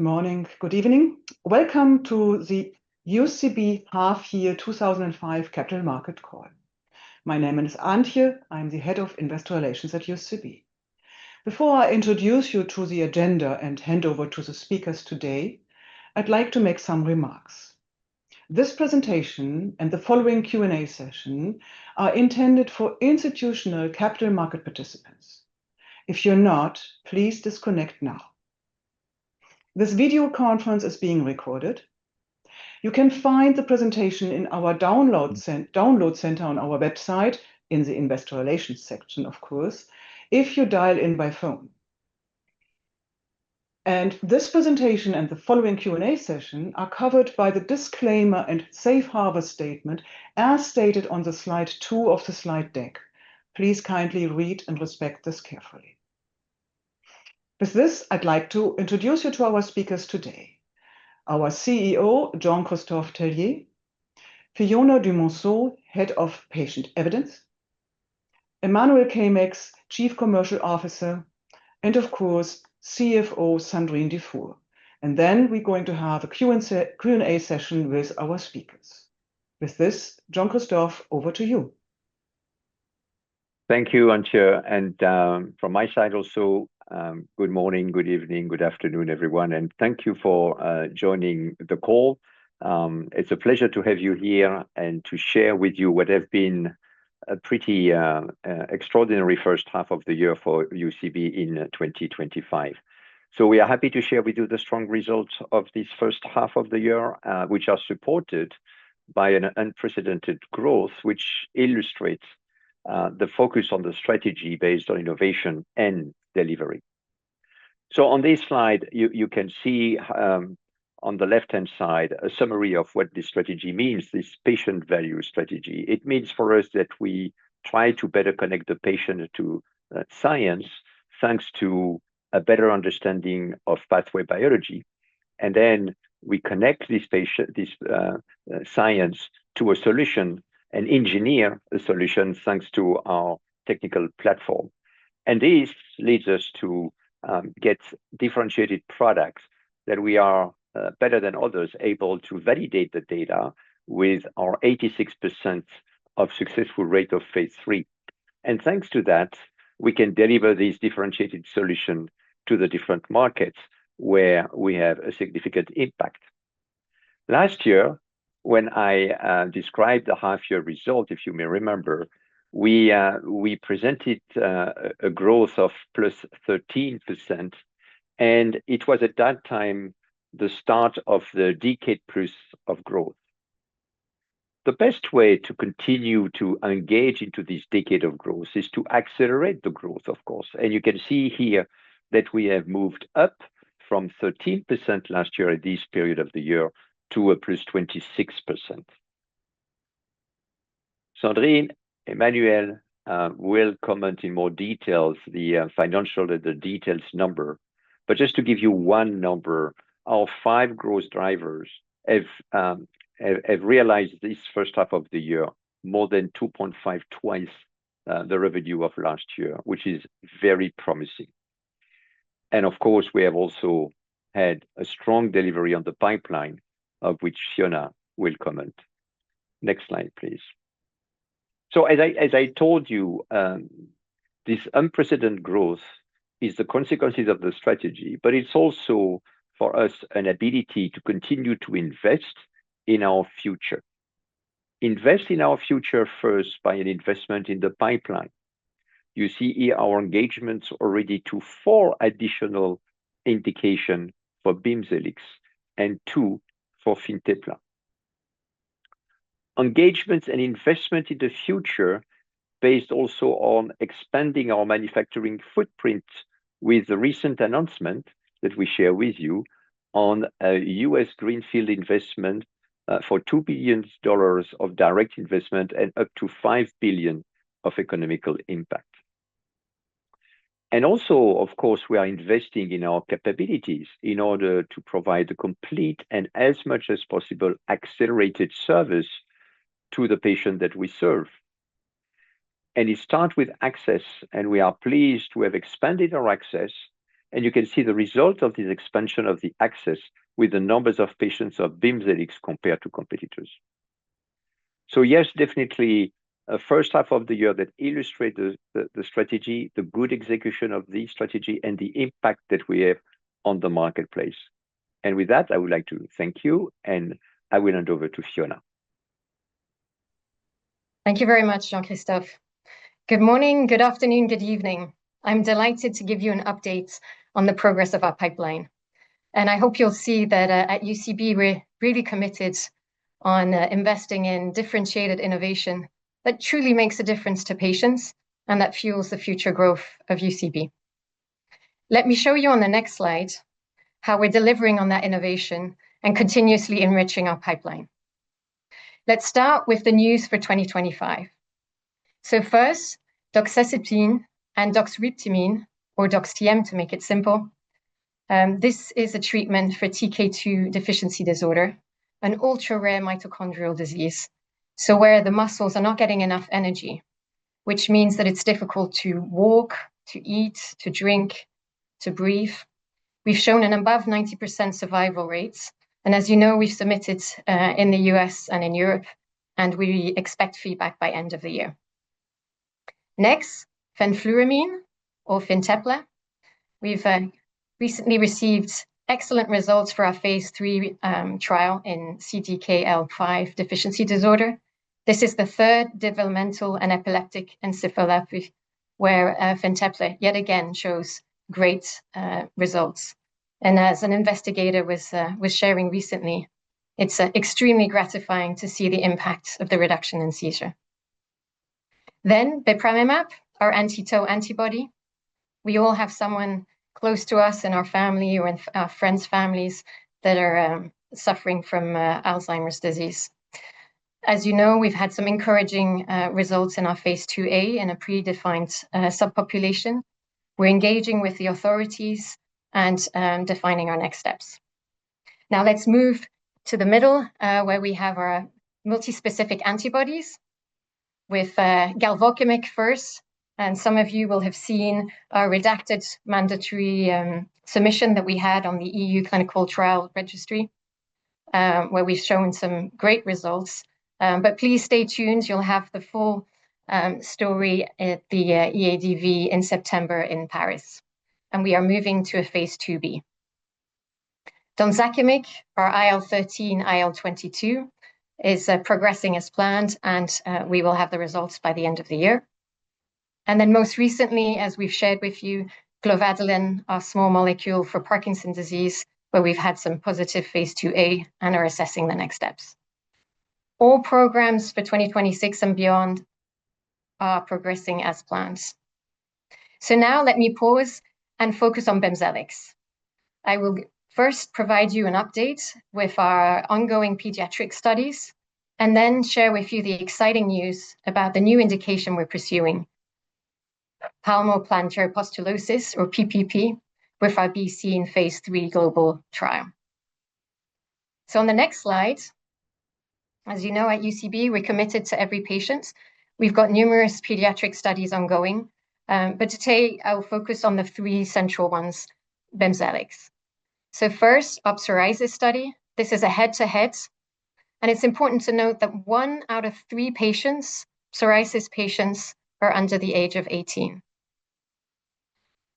Good morning. Good evening. Welcome to the UCB half-year 2005 capital market call. My name is Antje. I'm the Head of Investor Relations at UCB. Before I introduce you to the agenda and hand over to the speakers today, I'd like to make some remarks. This presentation and the following Q&A session are intended for institutional capital market participants. If you're not, please disconnect now. This video conference is being recorded. You can find the presentation in our download center on our website in the Investor Relations section, of course, if you dial in by phone. This presentation and the following Q&A session are covered by the disclaimer and safe harbor statement as stated on slide two of the slide deck. Please kindly read and respect this carefully. With this, I'd like to introduce you to our speakers today: our CEO, Jean-Christophe Tellier; Fiona du Monceau, Head of Patient Evidence; Emmanuel Caeymaex, Chief Commercial Officer; and of course, CFO Sandrine Dufour. We're going to have a Q&A session with our speakers. With this, Jean-Christophe, over to you. Thank you, Antje. From my side also, good morning, good evening, good afternoon, everyone. Thank you for joining the call. It's a pleasure to have you here and to share with you what has been a pretty extraordinary first half of the year for UCB in 2025. We are happy to share with you the strong results of this first half of the year, which are supported by an unprecedented growth, which illustrates the focus on the strategy based on innovation and delivery. On this slide, you can see on the left-hand side a summary of what this strategy means, this patient value strategy. It means for us that we try to better connect the patient to science thanks to a better understanding of pathway biology. Then we connect this science to a solution and engineer a solution thanks to our technical platform. This leads us to get differentiated products that we are better than others able to validate the data with our 86% of successful rate of phase III. Thanks to that, we can deliver this differentiated solution to the different markets where we have a significant impact. Last year, when I described the half-year result, if you may remember, we presented a growth of +13%. It was at that time the start of the decade plus of growth. The best way to continue to engage into this decade of growth is to accelerate the growth, of course. You can see here that we have moved up from 13% last year at this period of the year to +26%. Sandrine, Emmanuel will comment in more detail the financial details number. Just to give you one number, our five growth drivers have realized this first half of the year more than 2.5x the revenue of last year, which is very promising. We have also had a strong delivery on the pipeline, of which Fiona will comment. Next slide, please. As I told you, this unprecedented growth is the consequence of the strategy, but it's also for us an ability to continue to invest in our future. Invest in our future first by an investment in the pipeline. You see here our engagements already to four additional indications for BIMZELX and two for FINTEPLA. Engagements and investment in the future are based also on expanding our manufacturing footprint with the recent announcement that we share with you on a U.S. greenfield investment for $2 billion of direct investment and up to $5 billion of economic impact. Of course, we are investing in our capabilities in order to provide the complete and as much as possible accelerated service to the patient that we serve. It starts with access, and we are pleased to have expanded our access. You can see the result of this expansion of the access with the numbers of patients of BIMZELX compared to competitors. Yes, definitely a first half of the year that illustrates the strategy, the good execution of the strategy, and the impact that we have on the marketplace. With that, I would like to thank you, and I will hand over to Fiona. Thank you very much, Jean-Christophe. Good morning, good afternoon, good evening. I'm delighted to give you an update on the progress of our pipeline. I hope you'll see that at UCB, we're really committed on investing in differentiated innovation that truly makes a difference to patients and that fuels the future growth of UCB. Let me show you on the next slide how we're delivering on that innovation and continuously enriching our pipeline. Let's start with the news for 2025. First, doxecitine and doxribtimine, or doxTM to make it simple. This is a treatment for TK2 deficiency disorder, an ultra-rare mitochondrial disease where the muscles are not getting enough energy, which means that it's difficult to walk, to eat, to drink, to breathe. We've shown an above 90% survival rate. As you know, we've submitted in the U.S. and in Europe, and we expect feedback by the end of the year. Next, fenfluramine or FINTEPLA. We've recently received excellent results for our phase III trial in CDKL5 deficiency disorder. This is the third developmental and epileptic encephalopathy where FINTEPLA yet again shows great results. As an investigator was sharing recently, it's extremely gratifying to see the impact of the reduction in seizure. Then bepramemab, our anti-tau antibody. We all have someone close to us in our family or in our friends' families that are suffering from Alzheimer's disease. As you know, we've had some encouraging results in our phase IIA in a predefined subpopulation. We're engaging with the authorities and defining our next steps. Now let's move to the middle where we have our multi-specific antibodies with galvokimig first. Some of you will have seen our redacted mandatory submission that we had on the EU Clinical Trial Registry where we've shown some great results. Please stay tuned. You'll have the full story at the EADV in September in Paris, and we are moving to a phase IIB. Donzakimig, our IL-13, IL-22, is progressing as planned, and we will have the results by the end of the year. Most recently, as we've shared with you, glovadalen, our small molecule for Parkinson's disease, where we've had some positive phase IIA and are assessing the next steps. All programs for 2026 and beyond are progressing as planned. Now let me pause and focus on BIMZELX. I will first provide you an update with our ongoing pediatric studies and then share with you the exciting news about the new indication we're pursuing. Palmoplantar pustulosis, or PPP, with our BC in phase III global trial. On the next slide, as you know, at UCB, we're committed to every patient. We've got numerous pediatric studies ongoing. Today, I'll focus on the three central ones, BIMZELX. First, our psoriasis study. This is a head-to-head. It's important to note that one out of three psoriasis patients are under the age of 18.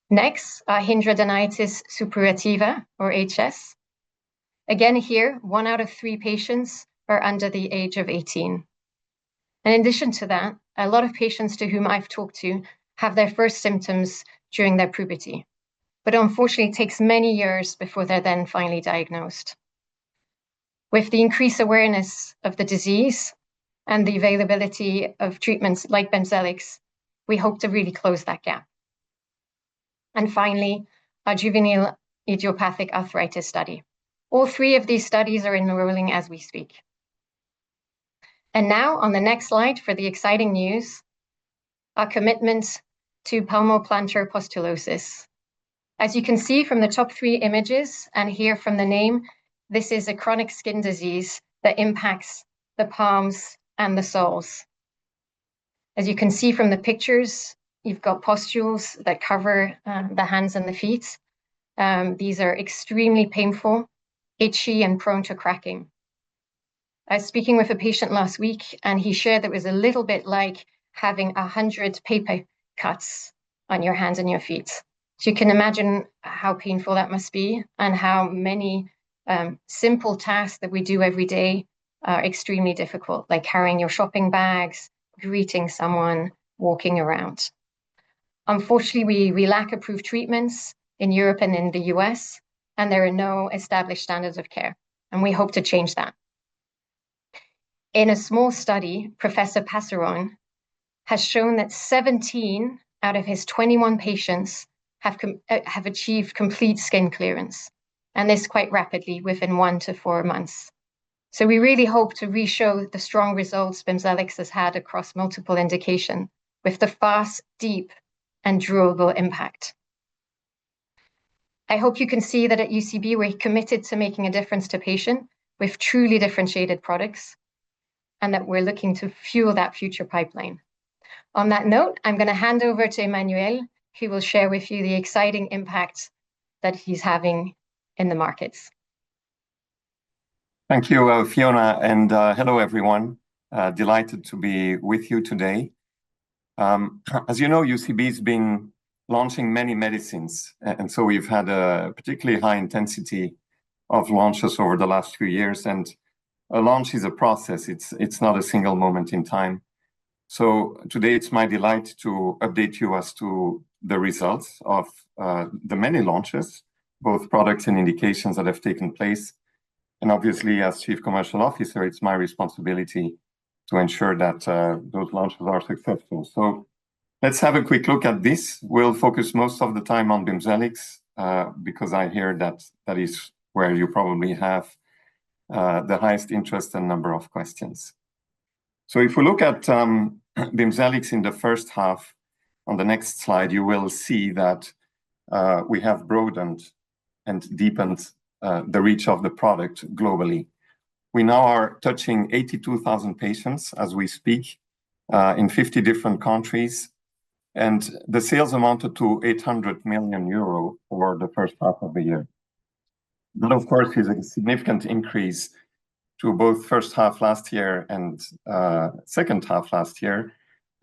Next, our hidradenitis suppurativa, or HS. Again here, one out of three patients are under the age of 18. In addition to that, a lot of patients to whom I've talked have their first symptoms during their puberty. Unfortunately, it takes many years before they're finally diagnosed. With the increased awareness of the disease and the availability of treatments like BIMZELX, we hope to really close that gap. Finally, our juvenile idiopathic arthritis study. All three of these studies are enrolling as we speak. Now, on the next slide for the exciting news. Our commitment to palmoplantar pustulosis. As you can see from the top three images and from the name, this is a chronic skin disease that impacts the palms and the soles. As you can see from the pictures, you've got pustules that cover the hands and the feet. These are extremely painful, itchy, and prone to cracking. I was speaking with a patient last week, and he shared that it was a little bit like having 100 paper cuts on your hands and your feet. You can imagine how painful that must be and how many simple tasks that we do every day are extremely difficult, like carrying your shopping bags, greeting someone, walking around. Unfortunately, we lack approved treatments in Europe and in the U.S., and there are no established standards of care. We hope to change that. In a small study, Professor Passeron has shown that 17 out of his 21 patients have achieved complete skin clearance, and this quite rapidly within one to four months. We really hope to re-show the strong results BIMZELX has had across multiple indications with the fast, deep, and durable impact. I hope you can see that at UCB, we're committed to making a difference to patients with truly differentiated products and that we're looking to fuel that future pipeline. On that note, I'm going to hand over to Emmanuel, who will share with you the exciting impact that he's having in the markets. Thank you, Fiona. Hello, everyone. Delighted to be with you today. As you know, UCB has been launching many medicines, and we have had a particularly high intensity of launches over the last few years. A launch is a process, not a single moment in time. Today, it's my delight to update you as to the results of the many launches, both products and indications that have taken place. Obviously, as Chief Commercial Officer, it's my responsibility to ensure that those launches are successful. Let's have a quick look at this. We'll focus most of the time on BIMZELX because I hear that is where you probably have the highest interest and number of questions. If we look at BIMZELX in the first half, on the next slide, you will see that we have broadened and deepened the reach of the product globally. We now are touching 82,000 patients as we speak in 50 different countries, and the sales amounted to €800 million over the first half of the year. That, of course, is a significant increase to both first half last year and second half last year.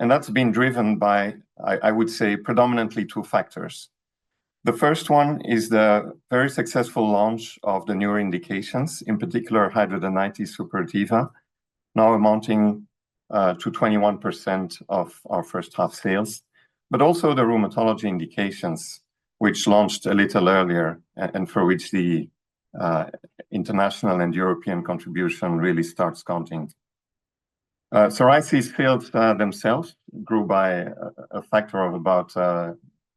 That's been driven by, I would say, predominantly two factors. The first one is the very successful launch of the newer indications, in particular, hidradenitis suppurativa, now amounting to 21% of our first half sales, but also the rheumatology indications, which launched a little earlier and for which the international and European contribution really starts counting. Psoriasis fields themselves grew by a factor of about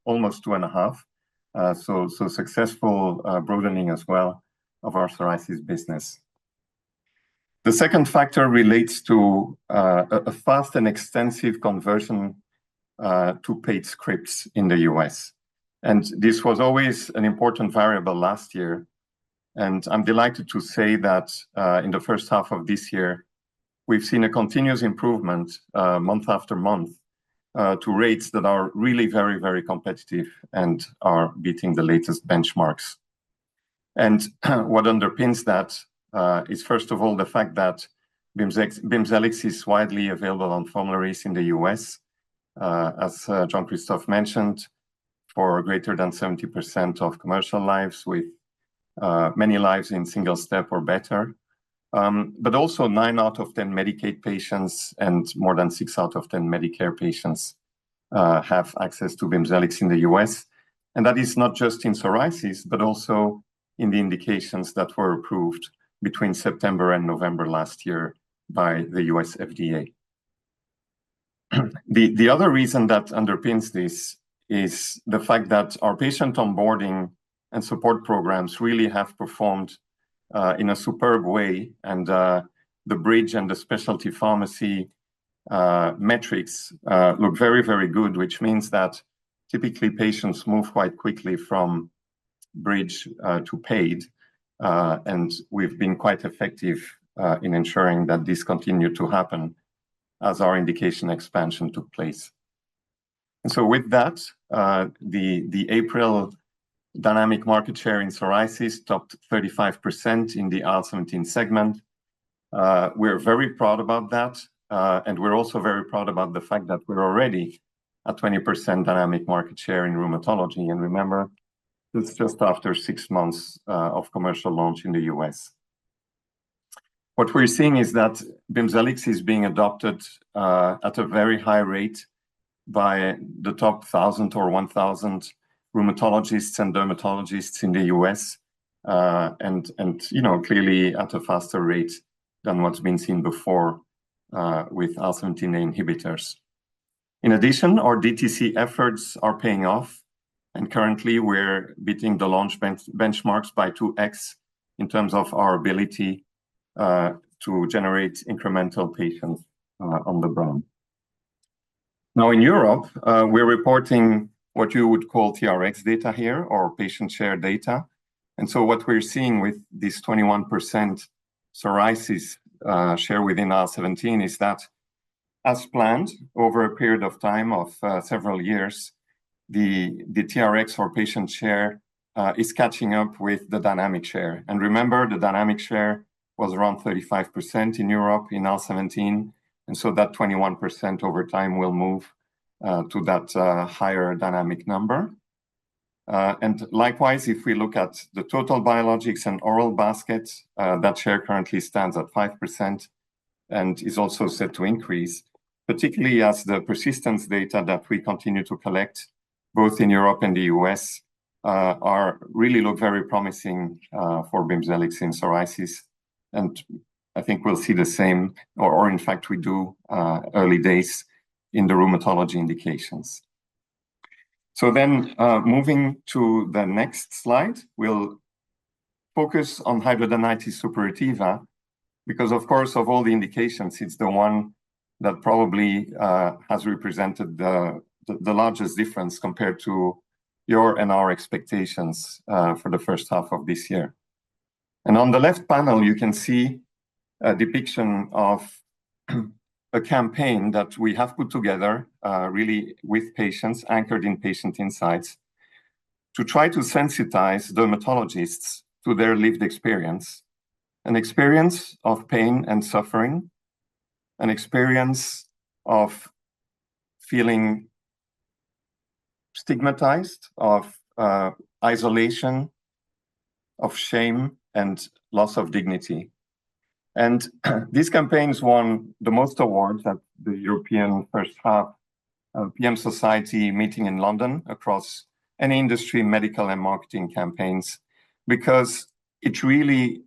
almost two and a half, so successful broadening as well of our psoriasis business. The second factor relates to a fast and extensive conversion to paid scripts in the U.S. This was always an important variable last year, and I'm delighted to say that in the first half of this year, we've seen a continuous improvement month after month to rates that are really very, very competitive and are beating the latest benchmarks. What underpins that is, first of all, the fact that BIMZELX is widely available on formularies in the U.S., as Jean-Christophe mentioned, for greater than 70% of commercial lives with many lives in single step or better, but also nine out of ten Medicaid patients and more than six out of ten Medicare patients have access to BIMZELX in the U.S. That is not just in psoriasis, but also in the indications that were approved between September and November last year by the U.S. FDA. The other reason that underpins this is the fact that our patient onboarding and support programs really have performed in a superb way. The bridge and the specialty pharmacy metrics look very, very good, which means that typically patients move quite quickly from bridge to paid. We've been quite effective in ensuring that this continued to happen as our indication expansion took place. With that, the April dynamic market share in psoriasis topped 35% in the IL-17 segment. We're very proud about that, and we're also very proud about the fact that we're already at 20% dynamic market share in rheumatology. Remember, this is just after six months of commercial launch in the U.S. What we're seeing is that BIMZELX is being adopted at a very high rate by the top 1,000 rheumatologists and dermatologists in the U.S., and clearly at a faster rate than what's been seen before with IL-17 inhibitors. In addition, our DTC efforts are paying off, and currently, we're beating the launch benchmarks by 2x in terms of our ability to generate incremental patients on the brand. Now, in Europe, we're reporting what you would call TRx data here or patient-share data. What we're seeing with this 21% psoriasis share within IL-17 is that, as planned over a period of time of several years, the TRx or patient share is catching up with the dynamic share. Remember, the dynamic share was around 35% in Europe in IL-17, and so that 21% over time will move to that higher dynamic number. Likewise, if we look at the total biologics and oral baskets, that share currently stands at 5% and is also set to increase, particularly as the persistence data that we continue to collect, both in Europe and the U.S., really look very promising for BIMZELX in psoriasis. I think we'll see the same, or in fact, we do, early days in the rheumatology indications. Moving to the next slide, we'll focus on hidradenitis suppurativa because, of course, of all the indications, it's the one that probably has represented the largest difference compared to your and our expectations for the first half of this year. On the left panel, you can see a depiction of a campaign that we have put together really with patients anchored in patient insights to try to sensitize dermatologists to their lived experience, an experience of pain and suffering, an experience of feeling stigmatized, of isolation, of shame, and loss of dignity. This campaign has won the most awards at the European First Half PM Society meeting in London across any industry, medical, and marketing campaigns because it really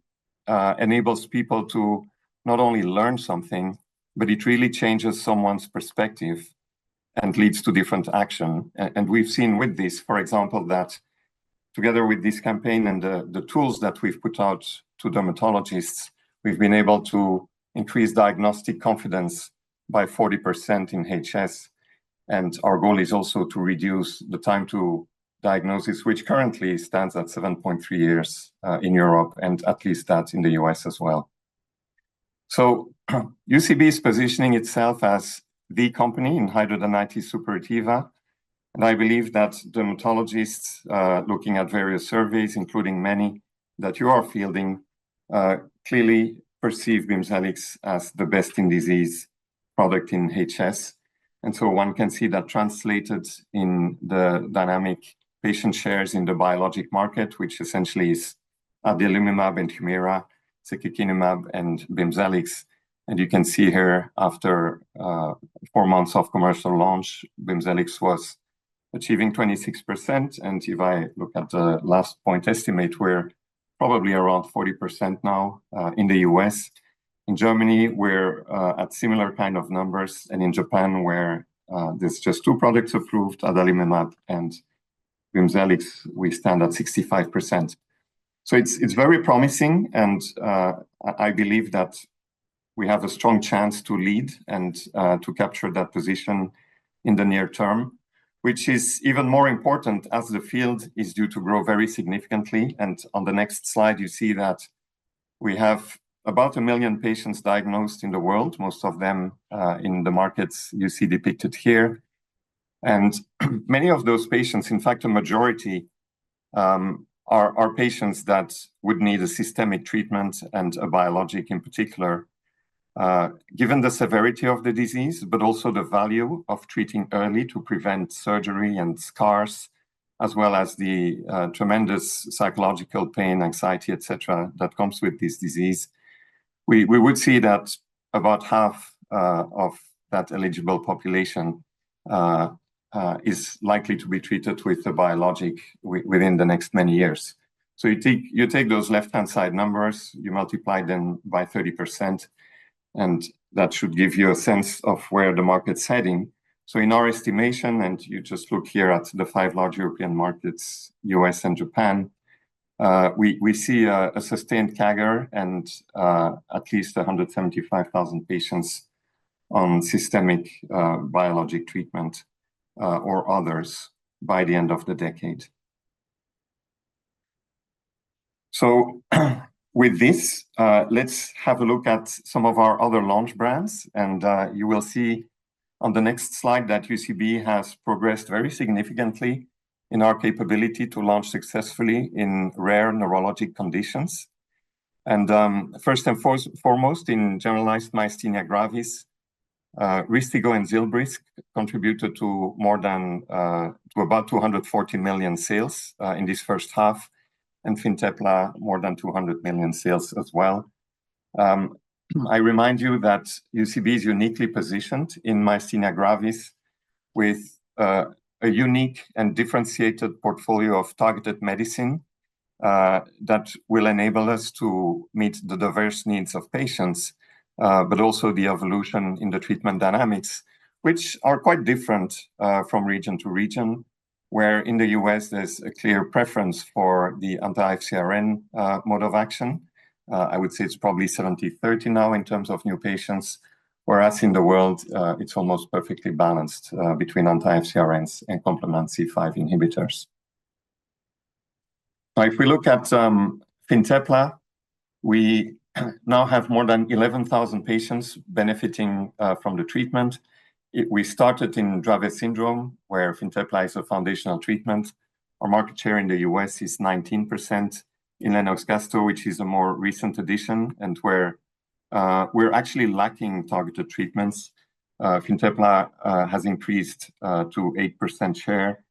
enables people to not only learn something, but it really changes someone's perspective and leads to different action. We've seen with this, for example, that together with this campaign and the tools that we've put out to dermatologists, we've been able to increase diagnostic confidence by 40% in HS. Our goal is also to reduce the time to diagnosis, which currently stands at 7.3 years in Europe, and at least that in the U.S. as well. UCB is positioning itself as the company in hidradenitis suppurativa. I believe that dermatologists, looking at various surveys, including many that you are fielding, clearly perceive BIMZELX as the best-in-disease product in HS. One can see that translated in the dynamic patient shares in the biologic market, which essentially is adalimumab and HUMIRA, secukinumab, and BIMZELX. You can see here after four months of commercial launch, BIMZELX was achieving 26%. If I look at the last point estimate, we're probably around 40% now in the U.S. In Germany, we're at similar kind of numbers. In Japan, where there's just two products approved, adalimumab and BIMZELX, we stand at 65%. It's very promising. I believe that we have a strong chance to lead and to capture that position in the near term, which is even more important as the field is due to grow very significantly. On the next slide, you see that we have about a million patients diagnosed in the world, most of them in the markets you see depicted here. Many of those patients, in fact, a majority, are patients that would need a systemic treatment and a biologic in particular, given the severity of the disease, but also the value of treating early to prevent surgery and scars, as well as the tremendous psychological pain, anxiety, et cetera, that comes with this disease. We would see that about half of that eligible population is likely to be treated with a biologic within the next many years. You take those left-hand side numbers, you multiply them by 30%, and that should give you a sense of where the market's heading. In our estimation, and you just look here at the five large European markets, U.S., and Japan, we see a sustained CAGR and at least 175,000 patients on systemic biologic treatment or others by the end of the decade. With this, let's have a look at some of our other launch brands. You will see on the next slide that UCB has progressed very significantly in our capability to launch successfully in rare neurologic conditions, and first and foremost, in generalized myasthenia gravis. RYSTIGGO and ZILBRYSQ contributed to about $240 million sales in this first half, and FINTEPLA, more than $200 million sales as well. I remind you that UCB is uniquely positioned in myasthenia gravis with a unique and differentiated portfolio of targeted medicine that will enable us to meet the diverse needs of patients, but also the evolution in the treatment dynamics, which are quite different from region to region, where in the U.S., there's a clear preference for the anti-FcRn mode of action. I would say it's probably 70-30 now in terms of new patients, whereas in the world, it's almost perfectly balanced between anti-FcRns and complement C5 inhibitors. Now, if we look at FINTEPLA, we now have more than 11,000 patients benefiting from the treatment. We started in Dravet syndrome, where FINTEPLA is a foundational treatment. Our market share in the U.S. is 19%. In Lennox-Gastaut, which is a more recent addition and where we're actually lacking targeted treatments, FINTEPLA has increased to 8% share.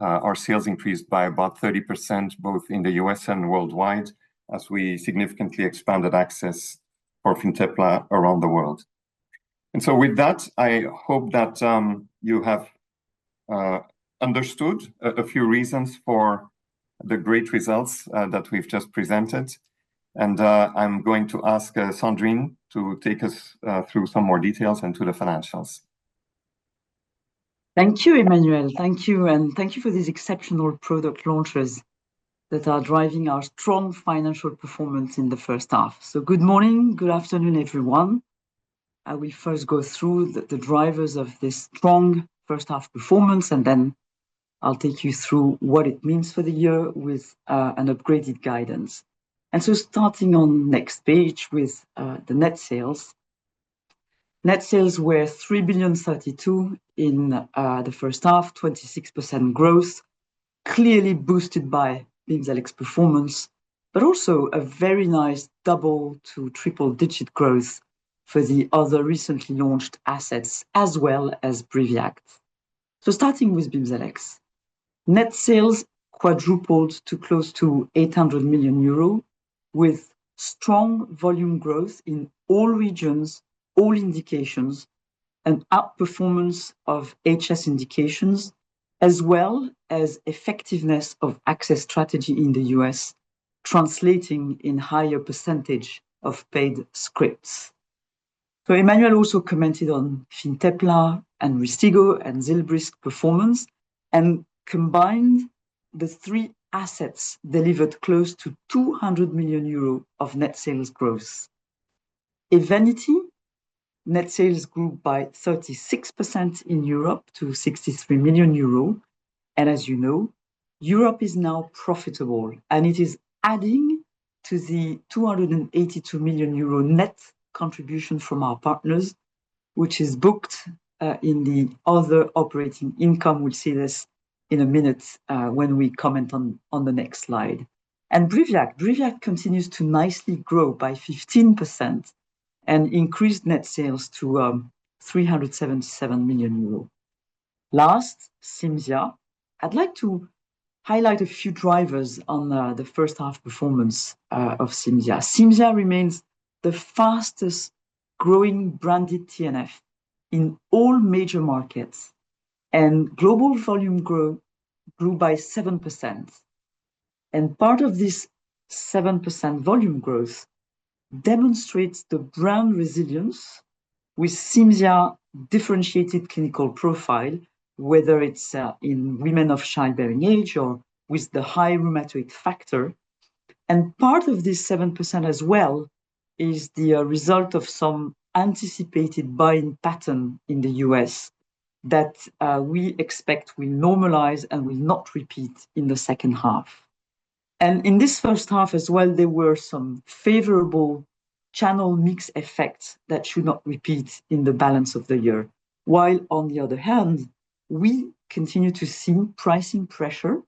Our sales increased by about 30%, both in the U.S. and worldwide, as we significantly expanded access for FINTEPLA around the world. With that, I hope that you have understood a few reasons for the great results that we've just presented. I'm going to ask Sandrine to take us through some more details into the financials. Thank you, Emmanuel. Thank you, and thank you for these exceptional product launches that are driving our strong financial performance in the first half. Good morning, good afternoon, everyone. I will first go through the drivers of this strong first-half performance, and then I'll take you through what it means for the year with an upgraded guidance. Starting on next page with the net sales. Net sales were 3,032 million in the first half, 26% growth, clearly boosted by BIMZELX performance, but also a very nice double to triple-digit growth for the other recently launched assets, as well as BRIVIACT. Starting with BIMZELX. Net sales quadrupled to close to 800 million euro with strong volume growth in all regions, all indications, and outperformance of HS indications, as well as effectiveness of access strategy in the U.S., translating in higher percentage of paid scripts. Emmanuel also commented on FINTEPLA and RYSTIGGO, and ZILBRYSQ performance, and combined the three assets delivered close to 200 million euro of net sales growth. EVENITY net sales grew by 36% in Europe to 63 million euro. As you know, Europe is now profitable, and it is adding to the 282 million euro net contribution from our partners, which is booked in the other operating income. We will see this in a minute when we comment on the next slide. BRIVIACT continues to nicely grow by 15% and increased net sales to 377 million euros. Last, CIMZIA. I would like to highlight a few drivers on the first-half performance of CIMZIA. CIMZIA remains the fastest growing branded TNF in all major markets, and global volume grew by 7%. Part of this 7% volume growth demonstrates the brand resilience with CIMZIA differentiated clinical profile, whether it is in women of childbearing age or with the high rheumatoid factor. Part of this 7% as well is the result of some anticipated buying pattern in the U.S. that we expect will normalize and will not repeat in the second half. In this first half as well, there were some favorable channel mix effects that should not repeat in the balance of the year. On the other hand, we continue to see pricing pressure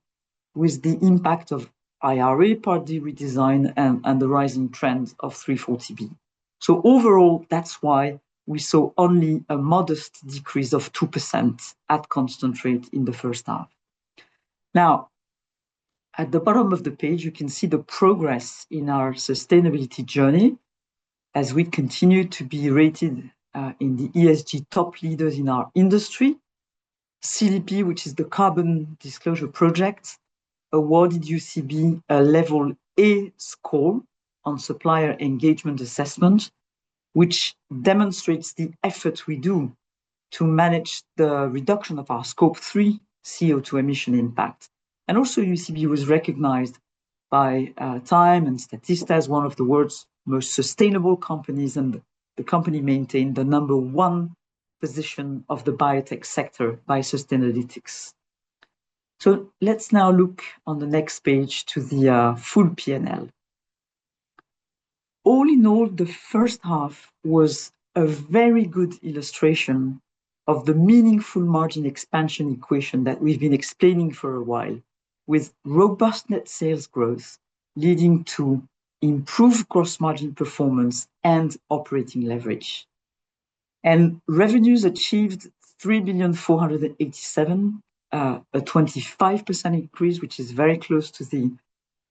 with the impact of IRA Part D redesign and the rising trend of 340B. Overall, that is why we saw only a modest decrease of 2% at constant rate in the first half. At the bottom of the page, you can see the progress in our sustainability journey as we continue to be rated in the ESG top leaders in our industry. CDP, which is the Carbon Disclosure Project, awarded UCB a level A score on supplier engagement assessment, which demonstrates the efforts we do to manage the reduction of our scope 3 CO2 emission impact. UCB was also recognized by TIME and Statista as one of the world's most sustainable companies, and the company maintained the number one position of the biotech sector by Sustainalytics. Let's now look on the next page to the full P&L. All in all, the first half was a very good illustration of the meaningful margin expansion equation that we've been explaining for a while, with robust net sales growth leading to improved gross margin performance and operating leverage. Revenues achieved 3,487 million, a 25% increase, which is very close to the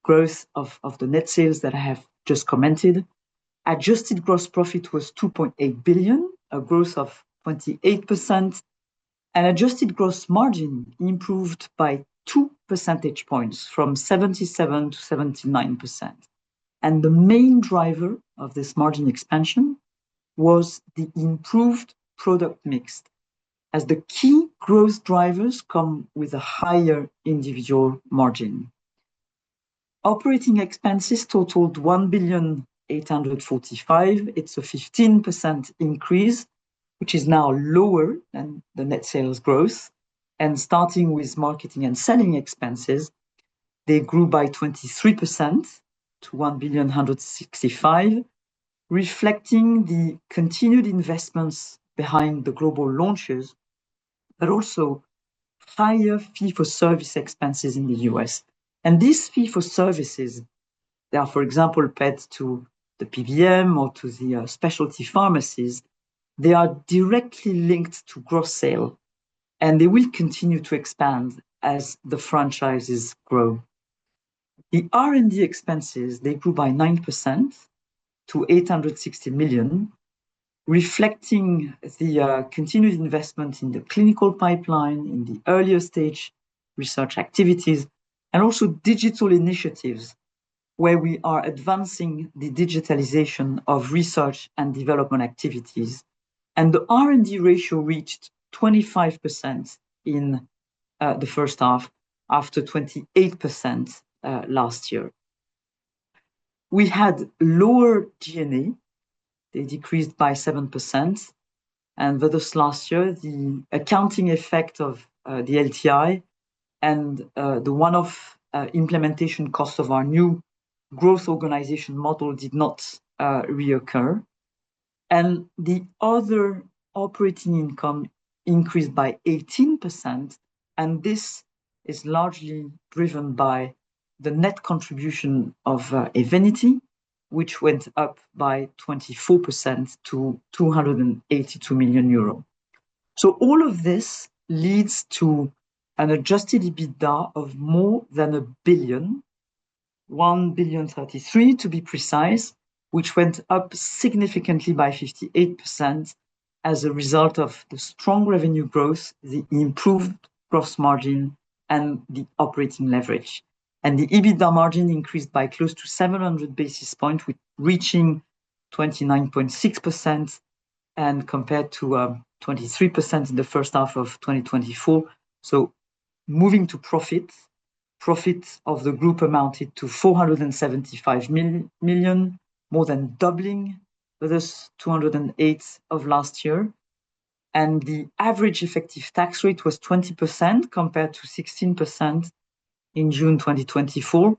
growth of the net sales that I have just commented. Adjusted gross profit was 2.8 billion, a growth of 28%. Adjusted gross margin improved by 2 percentage points from 77% to 79%. The main driver of this margin expansion was the improved product mix, as the key growth drivers come with a higher individual margin. Operating expenses totaled 1,845 million, a 15% increase, which is now lower than the net sales growth. Starting with marketing and selling expenses, they grew by 23% to 1,165 million, reflecting the continued investments behind the global launches, but also higher fee-for-service expenses in the U.S. These fee-for-services, for example, are paid to the PBM or to the specialty pharmacies. They are directly linked to gross sales, and they will continue to expand as the franchises grow. The R&D expenses grew by 9% to 860 million, reflecting the continued investment in the clinical pipeline, in the earlier stage research activities, and also digital initiatives where we are advancing the digitalization of research and development activities. The R&D ratio reached 25% in the first half after 28% last year. We had lower G&A; they decreased by 7%. Last year, the accounting effect of the LTI and the one-off implementation cost of our new growth organization model did not reoccur. Other operating income increased by 18%, and this is largely driven by the net contribution of EVENITY, which went up by 24% to 282 million euro. All of this leads to an adjusted EBITDA of more than a billion, 1,033 million to be precise, which went up significantly by 58% as a result of the strong revenue growth, the improved gross margin, and the operating leverage. The EBITDA margin increased by close to 700 basis points, reaching 29.6%, compared to 23% in the first half of 2024. Moving to profits, profits of the group amounted to 475 million, more than doubling with this 208 million of last year. The average effective tax rate was 20% compared to 16% in June 2024.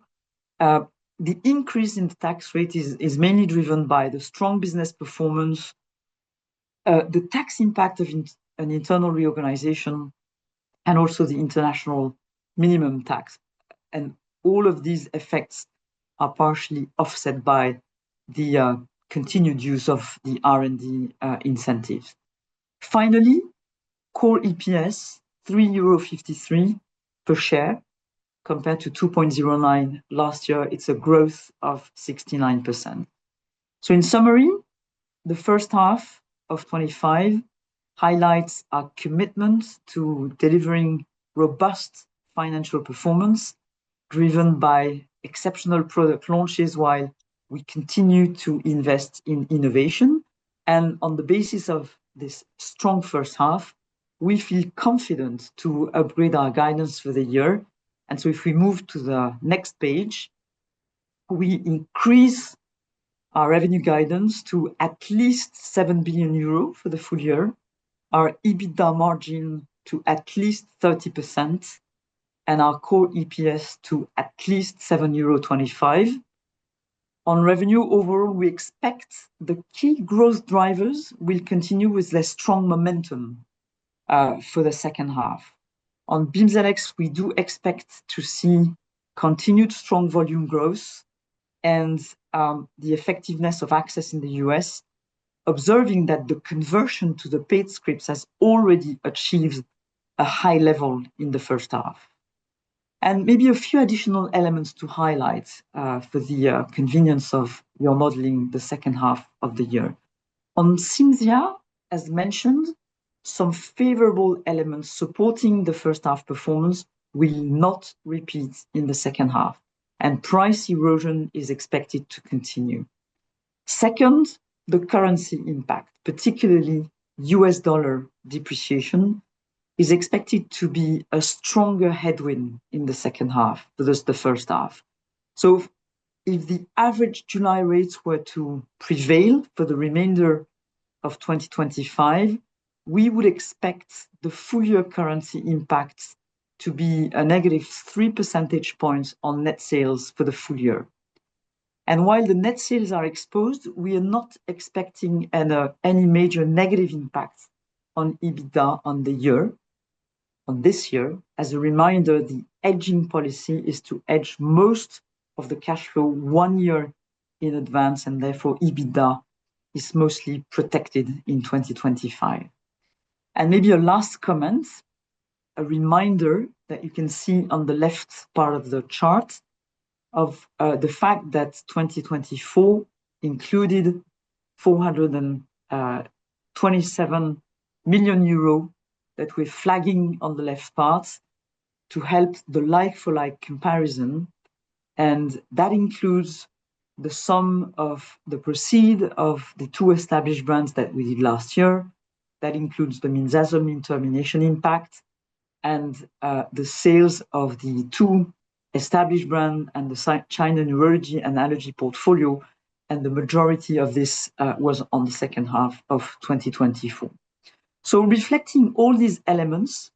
The increase in the tax rate is mainly driven by the strong business performance. The tax impact of an internal reorganization, and also the international minimum tax. All of these effects are partially offset by the continued use of the R&D incentives. Finally, core EPS, 3.53 euro per share compared to 2.09 last year. It's a growth of 69%. In summary, the first half of 2025 highlights our commitment to delivering robust financial performance driven by exceptional product launches while we continue to invest in innovation. On the basis of this strong first half, we feel confident to upgrade our guidance for the year. If we move to the next page, we increase our revenue guidance to at least 7 billion euro for the full year, our EBITDA margin to at least 30%, and our core EPS to at least 7.25 euro. On revenue overall, we expect the key growth drivers will continue with their strong momentum for the second half. On BIMZELX, we do expect to see continued strong volume growth and the effectiveness of access in the U.S., observing that the conversion to the paid scripts has already achieved a high level in the first half. Maybe a few additional elements to highlight for the convenience of your modeling the second half of the year. On CIMZIA, as mentioned, some favorable elements supporting the first-half performance will not repeat in the second half, and price erosion is expected to continue. The currency impact, particularly U.S. dollar depreciation, is expected to be a stronger headwind in the second half versus the first half. If the average July rates were to prevail for the remainder of 2025, we would expect the full year currency impact to be a -3 percentage points on net sales for the full year. While the net sales are exposed, we are not expecting any major negative impact on EBITDA on the year. This year, as a reminder, the hedging policy is to hedge most of the cash flow one year in advance, and therefore EBITDA is mostly protected in 2025. Maybe a last comment. A reminder that you can see on the left part of the chart the fact that 2024 included 427 million euro that we're flagging on the left part to help the like-for-like comparison. That includes the sum of the proceeds of the two established brands that we did last year. That includes the minzasolmin termination impact and the sales of the two established brands and the China neurology and allergy portfolio. The majority of this was in the second half of 2024. Reflecting all these elements.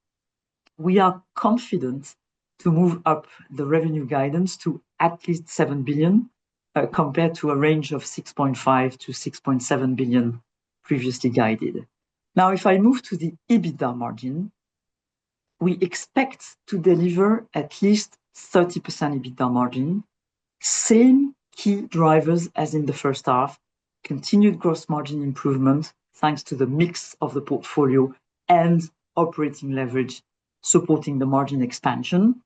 We are confident to move up the revenue guidance to at least 7 billion compared to a range of 6.5 billion-6.7 billion previously guided. Now, if I move to the EBITDA margin. We expect to deliver at least 30% EBITDA margin, same key drivers as in the first half, continued gross margin improvement thanks to the mix of the portfolio and operating leverage supporting the margin expansion.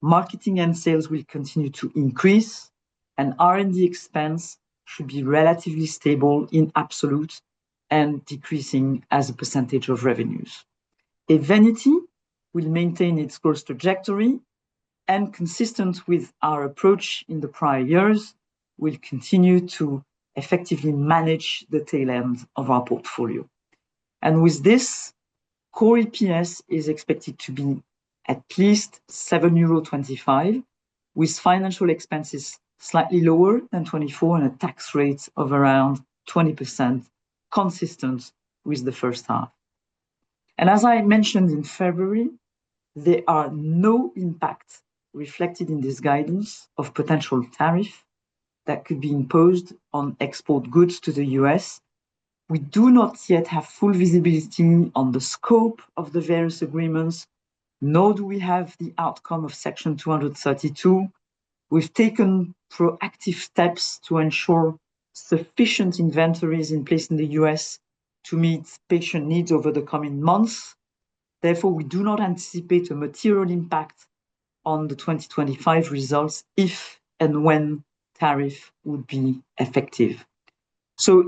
Marketing and sales will continue to increase, and R&D expense should be relatively stable in absolute and decreasing as a percentage of revenues. EVENITY will maintain its growth trajectory, and consistent with our approach in the prior years, we'll continue to effectively manage the tail end of our portfolio. With this, core EPS is expected to be at least 7.25 euro, with financial expenses slightly lower than 2024 and a tax rate of around 20%, consistent with the first half. As I mentioned in February, there are no impacts reflected in this guidance of potential tariffs that could be imposed on export goods to the U.S. We do not yet have full visibility on the scope of the various agreements, nor do we have the outcome of Section 232. We've taken proactive steps to ensure sufficient inventories in place in the U.S. to meet patient needs over the coming months. Therefore, we do not anticipate a material impact on the 2025 results if and when tariffs would be effective.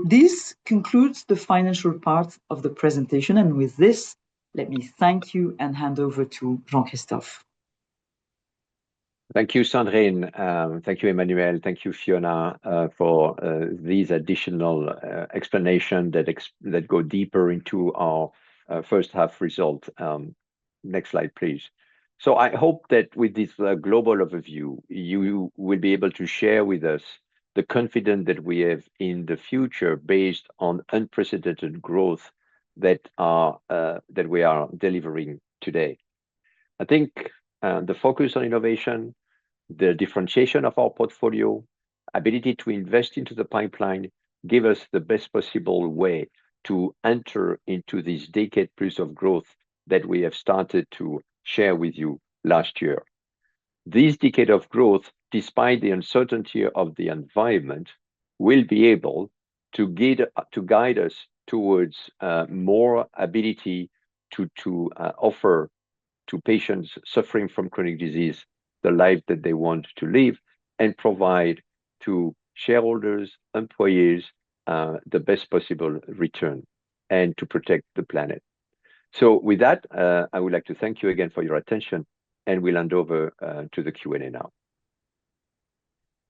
This concludes the financial part of the presentation. Let me thank you and hand over to Jean-Christophe. Thank you, Sandrine. Thank you, Emmanuel. Thank you, Fiona, for these additional explanations that go deeper into our first-half result. Next slide, please. I hope that with this global overview, you will be able to share with us the confidence that we have in the future based on unprecedented growth that we are delivering today. I think the focus on innovation, the differentiation of our portfolio, and the ability to invest into the pipeline give us the best possible way to enter into this decade plus of growth that we have started to share with you last year. This decade of growth, despite the uncertainty of the environment, will be able to guide us towards more ability to offer to patients suffering from chronic disease the life that they want to live and provide to shareholders, employees, the best possible return and to protect the planet. With that, I would like to thank you again for your attention, and we'll hand over to the Q&A now.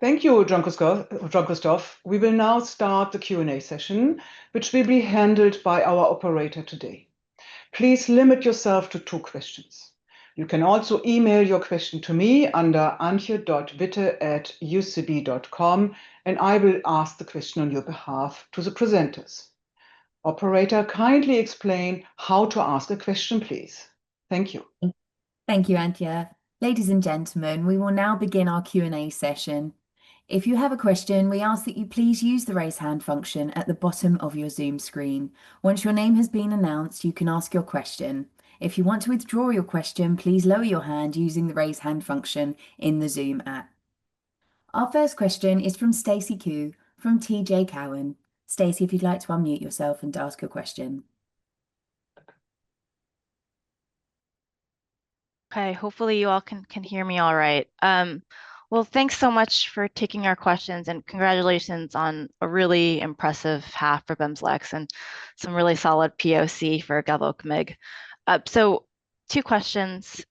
Thank you, Jean-Christophe. We will now start the Q&A session, which will be handled by our operator today. Please limit yourself to two questions. You can also email your question to me under antje.witte@ucb.com, and I will ask the question on your behalf to the presenters. Operator, kindly explain how to ask a question, please. Thank you. Thank you, Antje. Ladies and gentlemen, we will now begin our Q&A session. If you have a question, we ask that you please use the raise hand function at the bottom of your Zoom screen. Once your name has been announced, you can ask your question. If you want to withdraw your question, please lower your hand using the raise hand function in the Zoom app. Our first question is from Stacy Ku from TD Cowen. Stacy, if you'd like to unmute yourself and ask your question. Okay. Hopefully, you all can hear me all right. Thanks so much for taking our questions, and congratulations on a really impressive half for BIMZELX and some really solid POC for galvokimig. Two questions.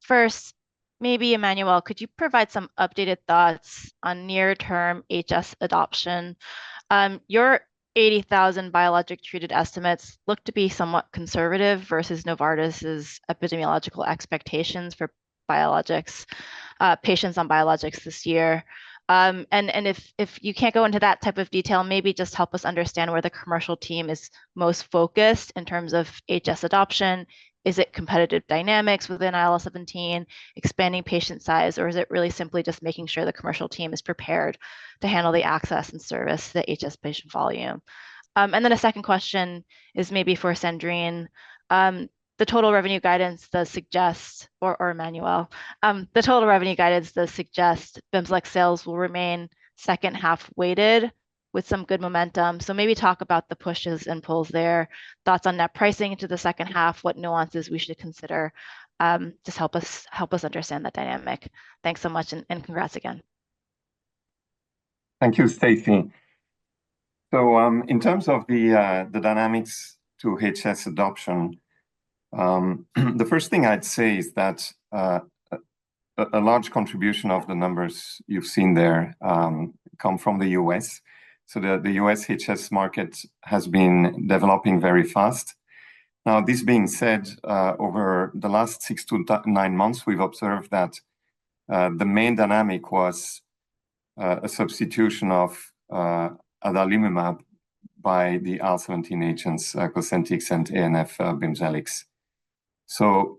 First, maybe Emmanuel, could you provide some updated thoughts on near-term HS adoption? Your 80,000 biologic-treated estimates look to be somewhat conservative versus Novartis's epidemiological expectations for biologics, patients on biologics this year. If you can't go into that type of detail, maybe just help us understand where the commercial team is most focused in terms of HS adoption. Is it competitive dynamics within IL-17, expanding patient size, or is it really simply just making sure the commercial team is prepared to handle the access and service to the HS patient volume? The second question is maybe for Sandrine. The total revenue guidance does suggest, or Emmanuel, the total revenue guidance does suggest BIMZELX sales will remain second-half weighted with some good momentum. Maybe talk about the pushes and pulls there, thoughts on net pricing into the second half, what nuances we should consider. Just help us understand that dynamic. Thanks so much and congrats again. Thank you, Stacy. In terms of the dynamics to HS adoption, the first thing I'd say is that a large contribution of the numbers you've seen there come from the US. The US HS market has been developing very fast. This being said, over the last six to nine months, we've observed that the main dynamic was a substitution of adalimumab by the IL-17 agents, COSENTYX and BIMZELX.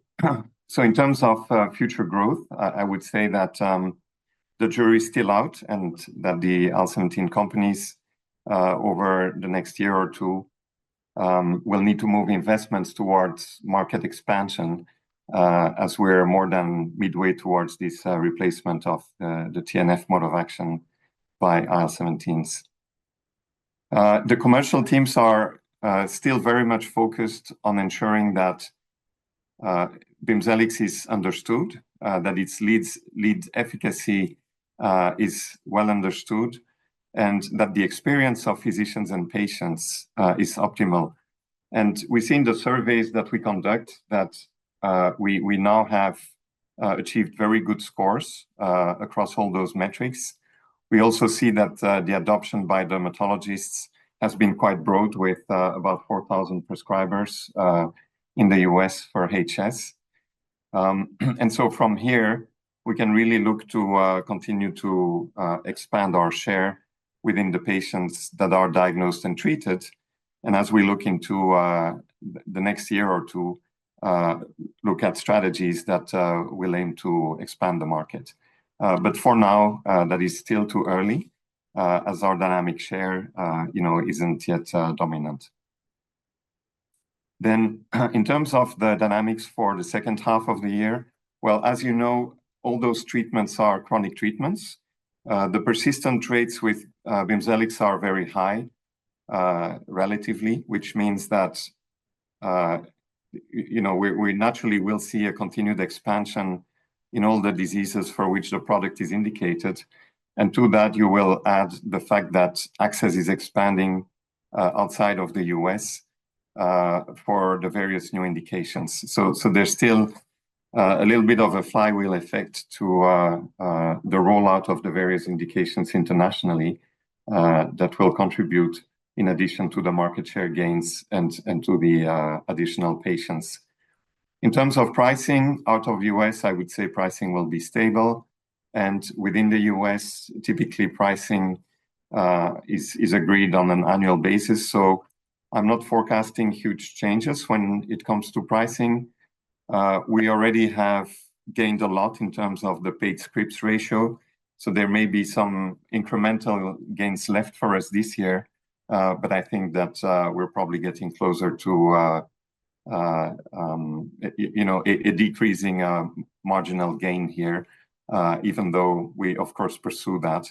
In terms of future growth, I would say that. The jury is still out on the IL-17 companies. Over the next year or two, investments will need to move towards market expansion, as we're more than midway towards this replacement of the TNF mode of action by IL-17s. The commercial teams are still very much focused on ensuring that BIMZELX is understood, that its lead efficacy is well understood, and that the experience of physicians and patients is optimal. We see in the surveys that we conduct that we now have achieved very good scores across all those metrics. We also see that the adoption by dermatologists has been quite broad, with about 4,000 prescribers in the U.S. for HS. From here, we can really look to continue to expand our share within the patients that are diagnosed and treated. As we look into the next year or two, we look at strategies that will aim to expand the market. For now, that is still too early, as our dynamic share isn't yet dominant. In terms of the dynamics for the second half of the year, all those treatments are chronic treatments. The persistent rates with BIMZELX are very high, relatively, which means that we naturally will see a continued expansion in all the diseases for which the product is indicated. To that, you will add the fact that access is expanding outside of the U.S. for the various new indications. There's still a little bit of a flywheel effect to the rollout of the various indications internationally. That will contribute in addition to the market share gains and to the additional patients. In terms of pricing out of the U.S., I would say pricing will be stable. Within the U.S., typically pricing is agreed on an annual basis. I'm not forecasting huge changes when it comes to pricing. We already have gained a lot in terms of the paid scripts ratio, so there may be some incremental gains left for us this year, but I think that we're probably getting closer to a decreasing marginal gain here, even though we, of course, pursue that.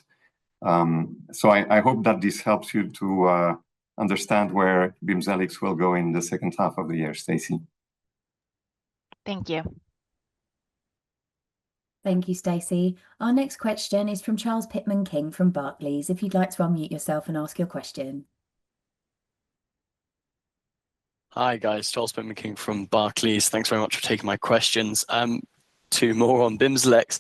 I hope that this helps you to understand where BIMZELX will go in the second half of the year, Stacy. Thank you. Thank you, Stacy. Our next question is from Charles Pitman-King from Barclays. If you'd like to unmute yourself and ask your question. Hi, guys. Charles Pitman-King from Barclays. Thanks very much for taking my questions. Two more on BIMZELX.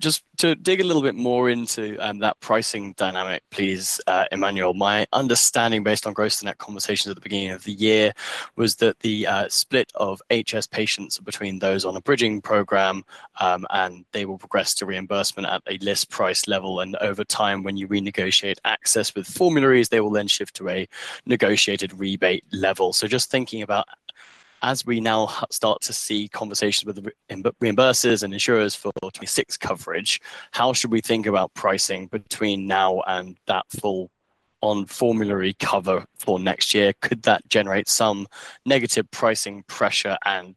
Just to dig a little bit more into that pricing dynamic, please, Emmanuel. My understanding based on gross and net conversations at the beginning of the year was that the split of HS patients between those on a bridging program, and they will progress to reimbursement at a list price level. Over time, when you renegotiate access with formularies, they will then shift to a negotiated rebate level. Just thinking about, as we now start to see conversations with reimbursers and insurers for 2026 coverage, how should we think about pricing between now and that full on formulary cover for next year? Could that generate some negative pricing pressure, and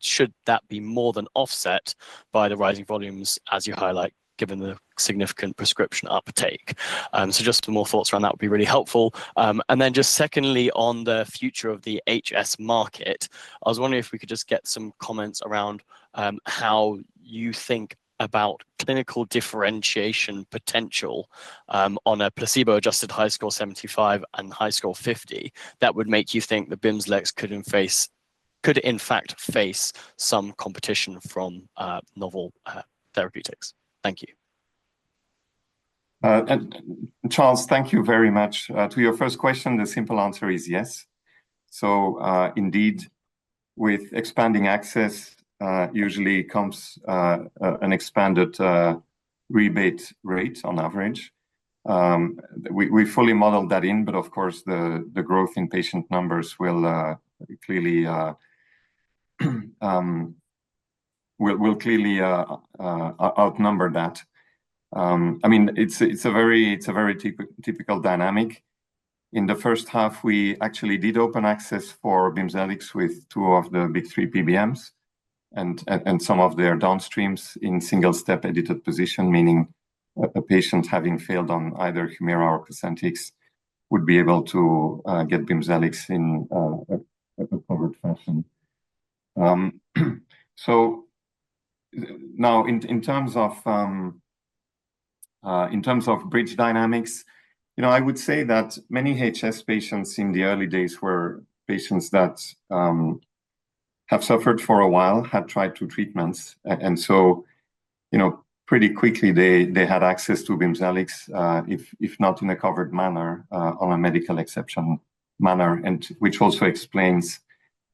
should that be more than offset by the rising volumes, as you highlight, given the significant prescription uptake? Some more thoughts around that would be really helpful. Secondly, on the future of the HS market, I was wondering if we could just get some comments around how you think about clinical differentiation potential on a placebo-adjusted HiSCR 75 and HiSCR 50 that would make you think that BIMZELX could, in fact, face some competition from novel therapeutics. Thank you. Charles, thank you very much. To your first question, the simple answer is yes. Indeed, with expanding access usually comes an expanded rebate rate on average. We fully modeled that in, but of course, the growth in patient numbers will clearly outnumber that. It's a very typical dynamic. In the first half, we actually did open access for BIMZELX with two of the big three PBMs and some of their downstreams in single-step edited position, meaning a patient having failed on either HUMIRA or COSENTYX would be able to get BIMZELX in a covered fashion. Now, in terms of bridge dynamics, I would say that many HS patients in the early days were patients that have suffered for a while, had tried two treatments, and so pretty quickly, they had access to BIMZELX, if not in a covered manner, on a medical exception manner, which also explains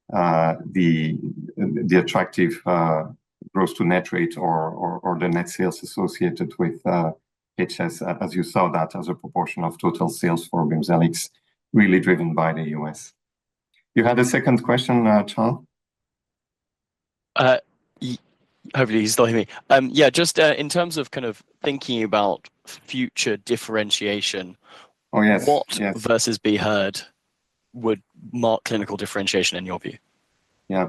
the attractive gross-to-net rate or the net sales associated with HS, as you saw that as a proportion of total sales for BIMZELX, really driven by the U.S. You had a second question, Charles? Hopefully, he's still with me. Yeah, just in terms of kind of thinking about future differentiation, what versus be heard would mark clinical differentiation in your view? Yeah.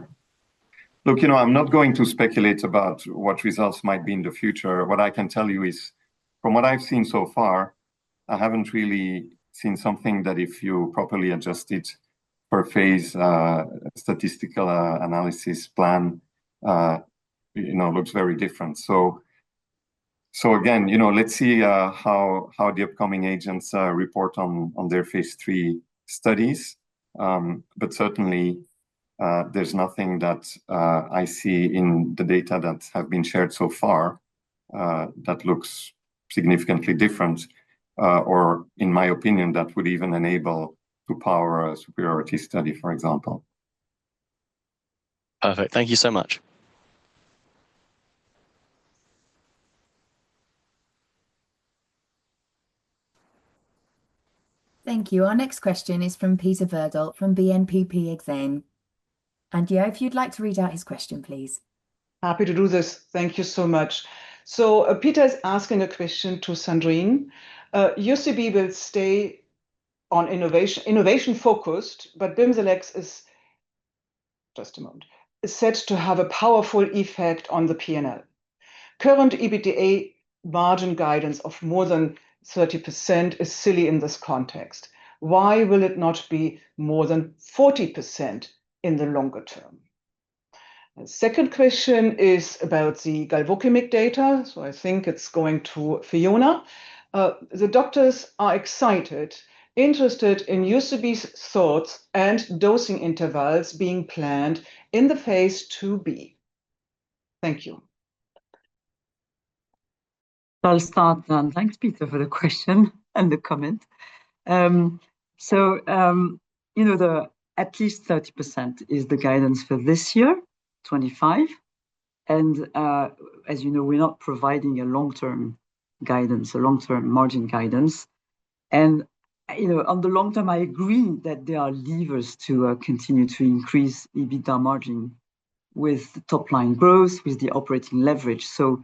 Look, I'm not going to speculate about what results might be in the future. What I can tell you is, from what I've seen so far, I haven't really seen something that, if you properly adjust it per phase, statistical analysis plan, looks very different. Again, let's see how the upcoming agents report on their phase III studies. Certainly, there's nothing that I see in the data that have been shared so far that looks significantly different, or, in my opinion, that would even enable to power a superiority study, for example. Perfect. Thank you so much. Thank you. Our next question is from Peter Verdult from BNP Exane. If you'd like to read out his question, please. Happy to do this. Thank you so much. Peter is asking a question to Sandrine. UCB will stay on innovation focused, but BIMZELX is, just a moment, said to have a powerful effect on the P&L. Current EBITDA margin guidance of more than 30% is silly in this context. Why will it not be more than 40% in the longer term? Second question is about the galvokimig data, so I think it's going to Fiona. The doctors are excited, interested in UCB's thoughts and dosing intervals being planned in the phase IIB. Thank you. I'll start then. Thanks, Peter, for the question and the comment. At least 30% is the guidance for this year, 2025. As you know, we're not providing a long-term guidance, a long-term margin guidance. On the long term, I agree that there are levers to continue to increase EBITDA margin with top-line growth, with the operating leverage. I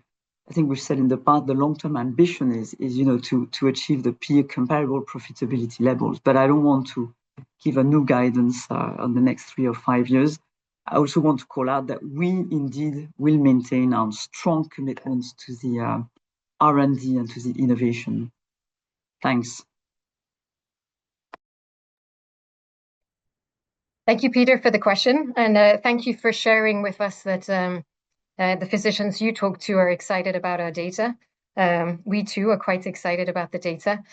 think we've said in the past, the long-term ambition is to achieve the peer-comparable profitability levels. I don't want to give a new guidance on the next three or five years. I also want to call out that we indeed will maintain our strong commitments to the R&D and to the innovation. Thanks. Thank you, Peter, for the question. Thank you for sharing with us that the physicians you talk to are excited about our data. We, too, are quite excited about the data,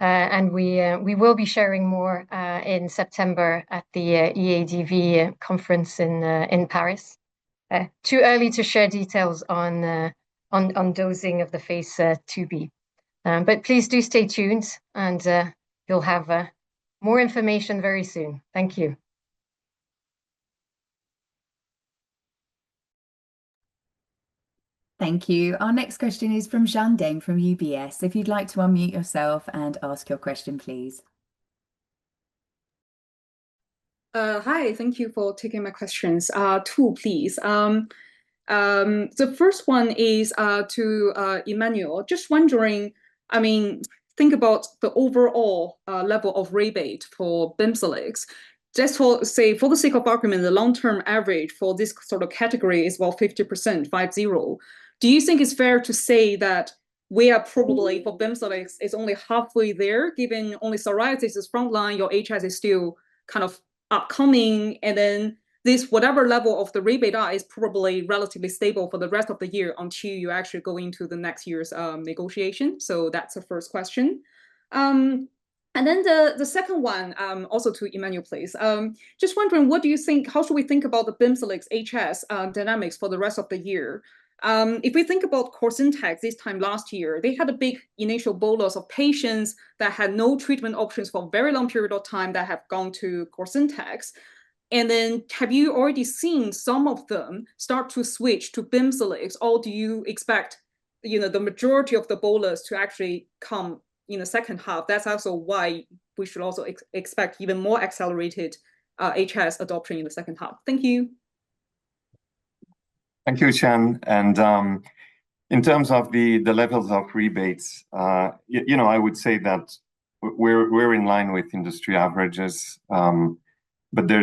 and we will be sharing more in September at the EADV conference in Paris. Too early to share details on dosing of the phase IIB, but please do stay tuned, and you'll have more information very soon. Thank you. Thank you. Our next question is from Xian Deng from UBS. If you'd like to unmute yourself and ask your question, please. Hi, thank you for taking my questions. Two, please. The first one is to Emmanuel. Just wondering, I mean, think about the overall level of rebate for BIMZELX. Just for the sake of argument, the long-term average for this sort of category is about 50%. Do you think it's fair to say that we are probably, for BIMZELX, it's only halfway there, given only psoriasis is frontline, your HS is still kind of upcoming, and then this whatever level of the rebate is probably relatively stable for the rest of the year until you actually go into the next year's negotiation? That's the first question. The second one, also to Emmanuel, please. Just wondering, what do you think, how should we think about the BIMZELX HS dynamics for the rest of the year? If we think about COSENTYX, this time last year, they had a big initial bolus of patients that had no treatment options for a very long period of time that have gone to COSENTYX. Have you already seen some of them start to switch to BIMZELX, or do you expect the majority of the bolus to actually come in the second half? That's also why we should also expect even more accelerated HS adoption in the second half. Thank you. Thank you, Xian. In terms of the levels of rebates, I would say that we're in line with industry averages. There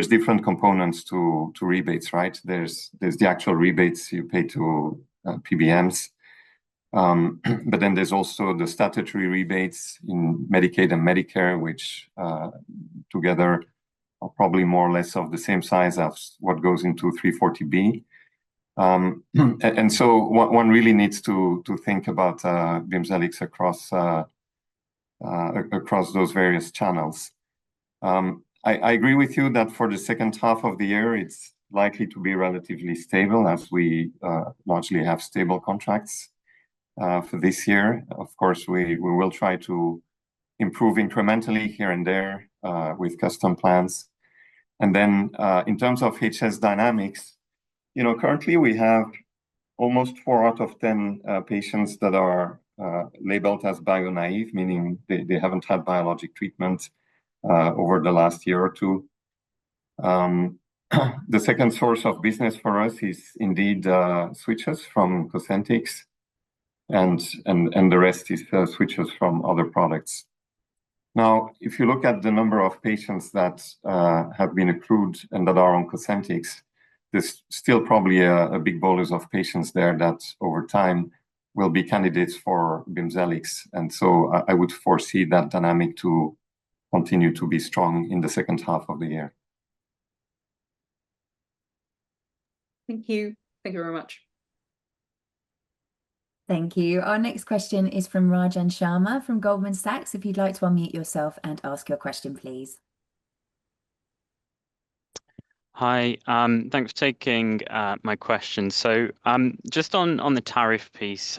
are different components to rebates, right? There's the actual rebates you pay to PBMs, but then there's also the statutory rebates in Medicaid and Medicare, which together are probably more or less of the same size as what goes into 340B. One really needs to think about BIMZELX across those various channels. I agree with you that for the second half of the year, it's likely to be relatively stable as we largely have stable contracts for this year. Of course, we will try to improve incrementally here and there with custom plans. In terms of HS dynamics, currently we have almost four out of ten patients that are labeled as bio-naive, meaning they haven't had biologic treatment over the last year or two. The second source of business for us is indeed switches from COSENTYX, and the rest is switches from other products. If you look at the number of patients that have been accrued and that are on COSENTYX, there's still probably a big bolus of patients there that over time will be candidates for BIMZELX. I would foresee that dynamic to continue to be strong in the second half of the year. Thank you. Thank you very much. Thank you. Our next question is from Rajan Sharma from Goldman Sachs. If you'd like to unmute yourself and ask your question, please. Hi. Thanks for taking my question. Just on the tariff piece,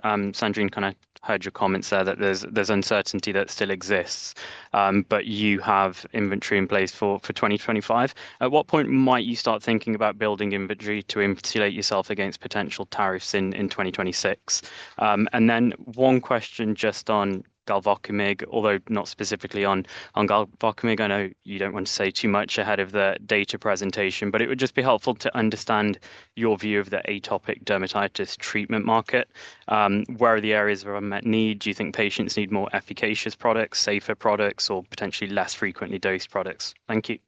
Sandrine, I heard your comments there that there's uncertainty that still exists, but you have inventory in place for 2025. At what point might you start thinking about building inventory to insulate yourself against potential tariffs in 2026? One question just on galvokimig, although not specifically on galvokimig. I know you don't want to say too much ahead of the data presentation, but it would just be helpful to understand your view of the atopic dermatitis treatment market. Where are the areas of unmet need? Do you think patients need more efficacious products, safer products, or potentially less frequently dosed products? Thank you.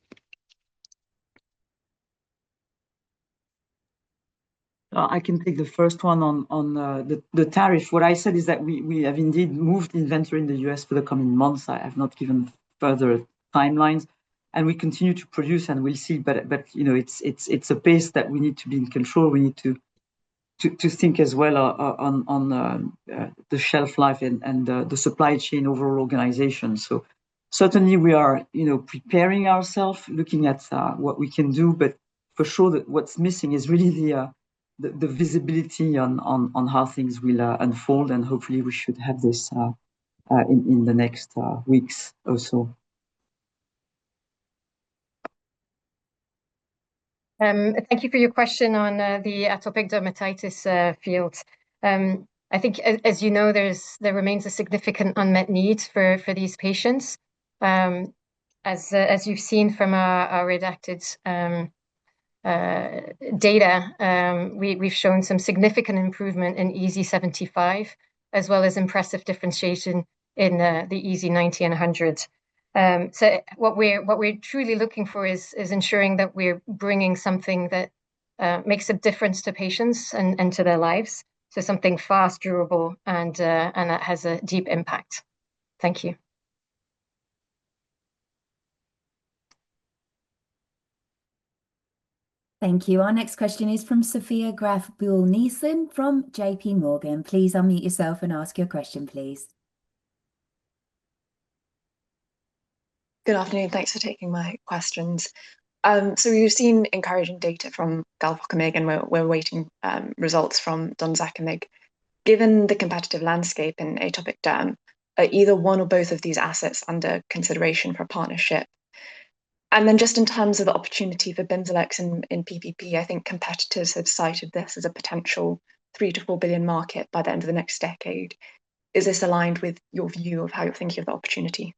I can take the first one on the tariff. What I said is that we have indeed moved inventory in the U.S. for the coming months. I have not given further timelines. We continue to produce, and we'll see. It's a pace that we need to be in control. We need to think as well on the shelf life and the supply chain overall organization. Certainly, we are preparing ourselves, looking at what we can do. For sure, what's missing is really the visibility on how things will unfold. Hopefully, we should have this in the next weeks or so. Thank you for your question on the atopic dermatitis field. As you know, there remains a significant unmet need for these patients. As you've seen from our redacted data, we've shown some significant improvement in EASI-75, as well as impressive differentiation in the EASI-90 and 100. What we're truly looking for is ensuring that we're bringing something that makes a difference to patients and to their lives. Something fast, durable, and that has a deep impact. Thank you. Thank you. Our next question is from Sofia Graeff Buhl-Nielsen from JPMorgan. Please unmute yourself and ask your question, please. Good afternoon. Thanks for taking my questions. We've seen encouraging data from galvokimig, and we're awaiting results from donzakimig. Given the competitive landscape in atopic derm, are either one or both of these assets under consideration for a partnership? In terms of the opportunity for BIMZELX in PPP, I think competitors have cited this as a potential $3 billion-4 billion market by the end of the next decade. Is this aligned with your view of how you're thinking of the opportunity?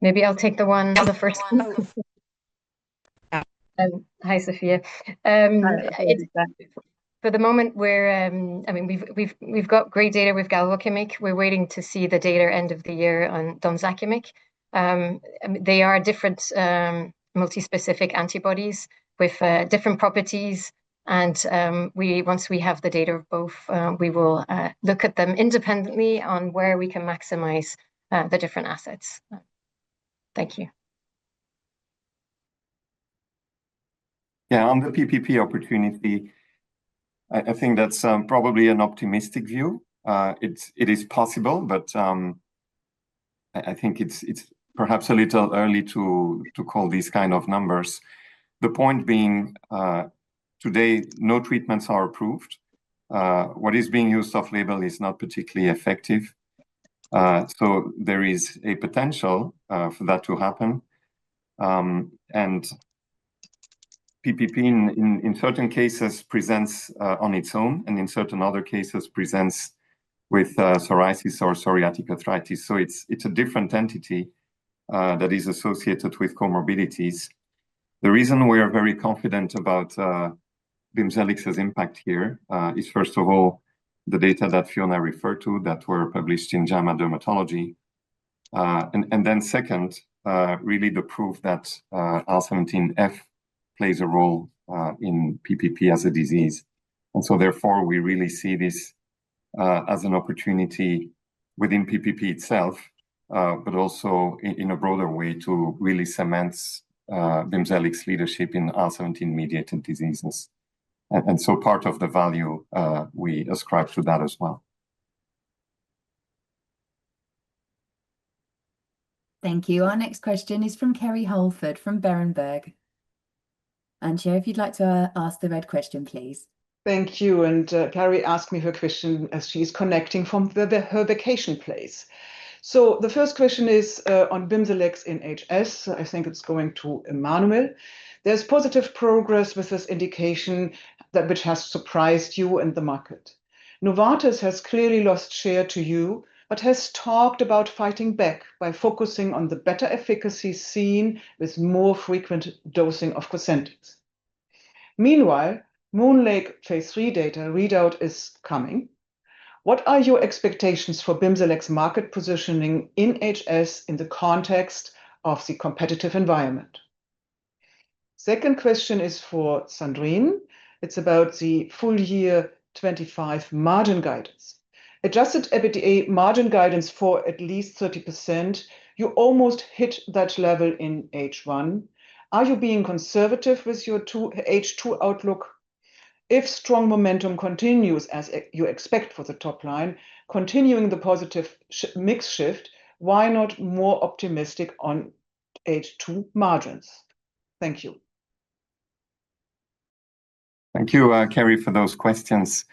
Maybe I'll take the first one. Hi, Sofia. For the moment, I mean, we've got great data with galvokimig. We're waiting to see the data end of the year on donzakimig. They are different multi-specific antibodies with different properties. Once we have the data of both, we will look at them independently on where we can maximize the different assets. Thank you. Yeah, on the PPP opportunity. I think that's probably an optimistic view. It is possible, but I think it's perhaps a little early to call these kind of numbers. The point being, today, no treatments are approved. What is being used off-label is not particularly effective. There is a potential for that to happen. PPP, in certain cases, presents on its own, and in certain other cases, presents with psoriasis or psoriatic arthritis. It's a different entity that is associated with comorbidities. The reason we are very confident about BIMZELX's impact here is, first of all, the data that Fiona referred to that were published in JAMA Dermatology. Then second, really the proof that IL-17F plays a role in PPP as a disease. Therefore, we really see this as an opportunity within PPP itself, but also in a broader way to really cement BIMZELX leadership in IL-17 mediated diseases. Part of the value, we ascribe to that as well. Thank you. Our next question is from Kerry Holford from Berenberg. Antje, if you'd like to ask the read question, please. Thank you. Kerry asked me her question as she's connecting from her vacation place. The first question is on BIMZELX in HS. I think it's going to Emmanuel. There's positive progress with this indication that which has surprised you in the market. Novartis has clearly lost share to you, but has talked about fighting back by focusing on the better efficacy seen with more frequent dosing of COSENTYX. Meanwhile, MoonLake phase III data readout is coming. What are your expectations for BIMZELX market positioning in HS in the context of the competitive environment? Second question is for Sandrine. It's about the full year 2025 margin guidance. Adjusted EBITDA margin guidance for at least 30%, you almost hit that level in H1. Are you being conservative with your H2 outlook? If strong momentum continues, as you expect for the top line, continuing the positive mix shift, why not more optimistic on H2 margins? Thank you. Thank you, Kerry, for those questions.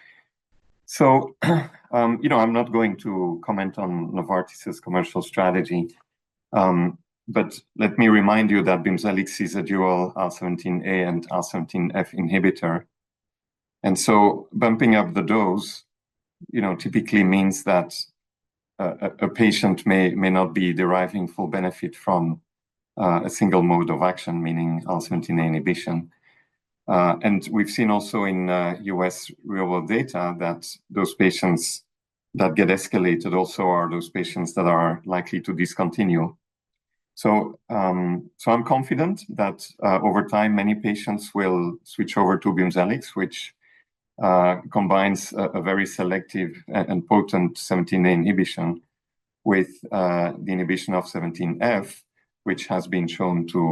I'm not going to comment on Novartis's commercial strategy. Let me remind you that BIMZELX is a dual IL-17A and IL-17F inhibitor. Bumping up the dose typically means that a patient may not be deriving full benefit from a single mode of action, meaning IL-17A inhibition. We've seen also in U.S. real-world data that those patients that get escalated also are those patients that are likely to discontinue. I'm confident that over time, many patients will switch over to BIMZELX, which combines a very selective and potent 17A inhibition with the inhibition of 17F, which has been shown to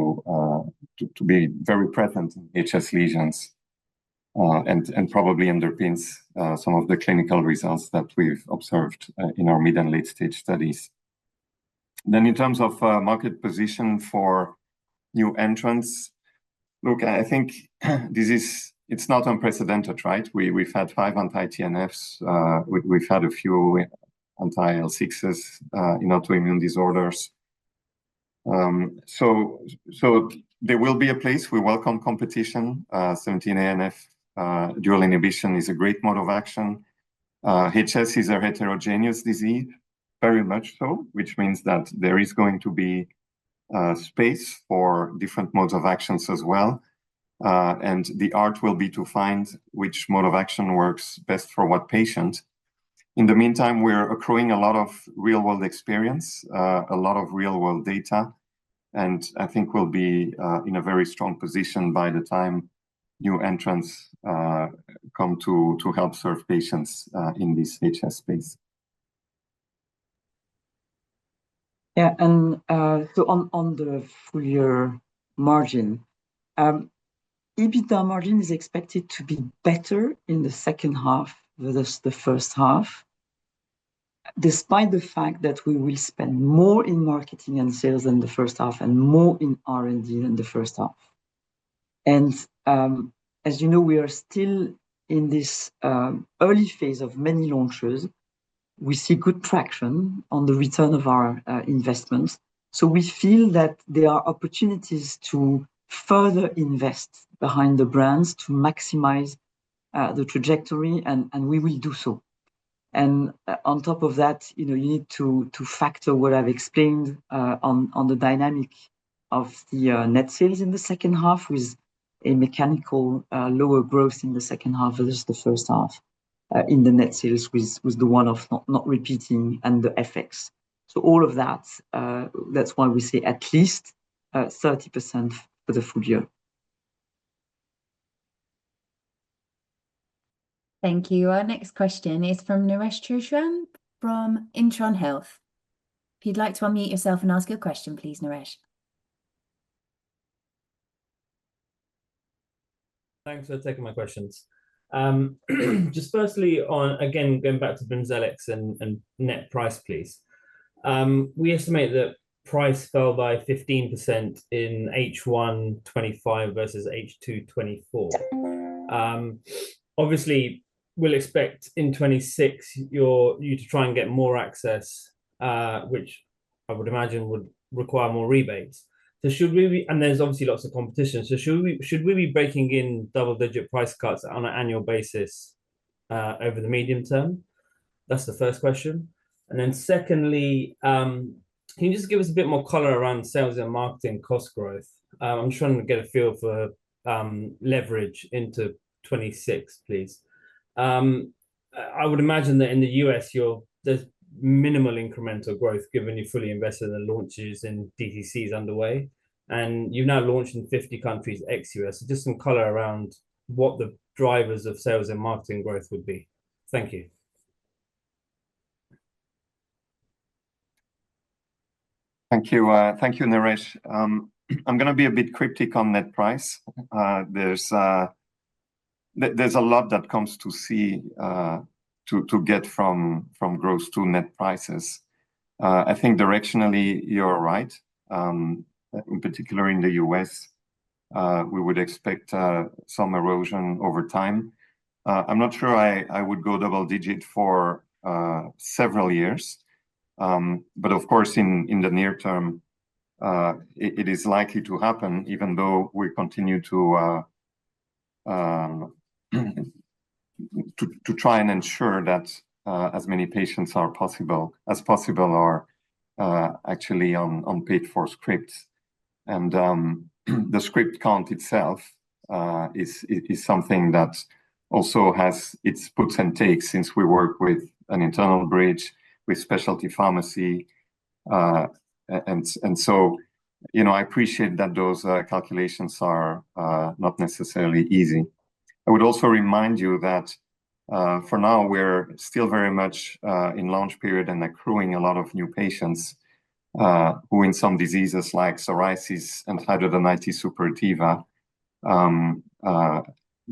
be very present in HS lesions and probably underpins some of the clinical results that we've observed in our mid and late-stage studies. In terms of market position for new entrants, I think it's not unprecedented, right? We've had five anti-TNFs. We've had a few anti-IL-6s in autoimmune disorders. There will be a place. We welcome competition. 17A and F dual inhibition is a great mode of action. HS is a heterogeneous disease, very much so, which means that there is going to be space for different modes of action as well. The art will be to find which mode of action works best for what patient. In the meantime, we're accruing a lot of real-world experience, a lot of real-world data, and I think we'll be in a very strong position by the time new entrants come to help serve patients in this HS space. On the full year margin, EBITDA margin is expected to be better in the second half than the first half, despite the fact that we will spend more in marketing and sales than the first half and more in R&D than the first half. As you know, we are still in this early phase of many launches. We see good traction on the return of our investments. We feel that there are opportunities to further invest behind the brands to maximize the trajectory, and we will do so. On top of that, you need to factor what I've explained on the dynamic of the net sales in the second half with a mechanical lower growth in the second half versus the first half in the net sales with the one-off not repeating, and the FX. All of that, that's why we say at least 30% for the full year. Thank you. Our next question is from Naresh Chouhan from Intron Health. If you'd like to unmute yourself and ask your question, please, Naresh. Thanks for taking my questions. Just firstly, again, going back to BIMZELX and price, please. We estimate that price fell by 15% in H1 2025 versus H2 2024. Obviously, we'll expect in 2026 you to try and get more access, which I would imagine would require more rebates. There's obviously lots of competition. Should we be baking in double-digit price cuts on an annual basis over the medium term? That's the first question. Secondly, can you just give us a bit more color around sales and marketing cost growth? I'm trying to get a feel for leverage into 2026, please. I would imagine that in the U.S., there's minimal incremental growth given you're fully invested in the launches and DTCs underway, and you've now launched in 50 countries ex U.S. Just some color around what the drivers of sales and marketing growth would be. Thank you. Thank you, Naresh. I'm going to be a bit cryptic on net price. There's a lot that comes to see to get from gross to net prices. I think directionally, you're right. In particular, in the U.S., we would expect some erosion over time. I'm not sure I would go double-digit for several years. Of course, in the near term, it is likely to happen, even though we continue to try and ensure that as many patients as possible are actually on paid-for scripts. The script count itself is something that also has its puts and takes since we work with an internal bridge, with specialty pharmacy. I appreciate that those calculations are not necessarily easy. I would also remind you that for now, we're still very much in launch period and accruing a lot of new patients who, in some diseases like psoriasis and hidradenitis suppurativa,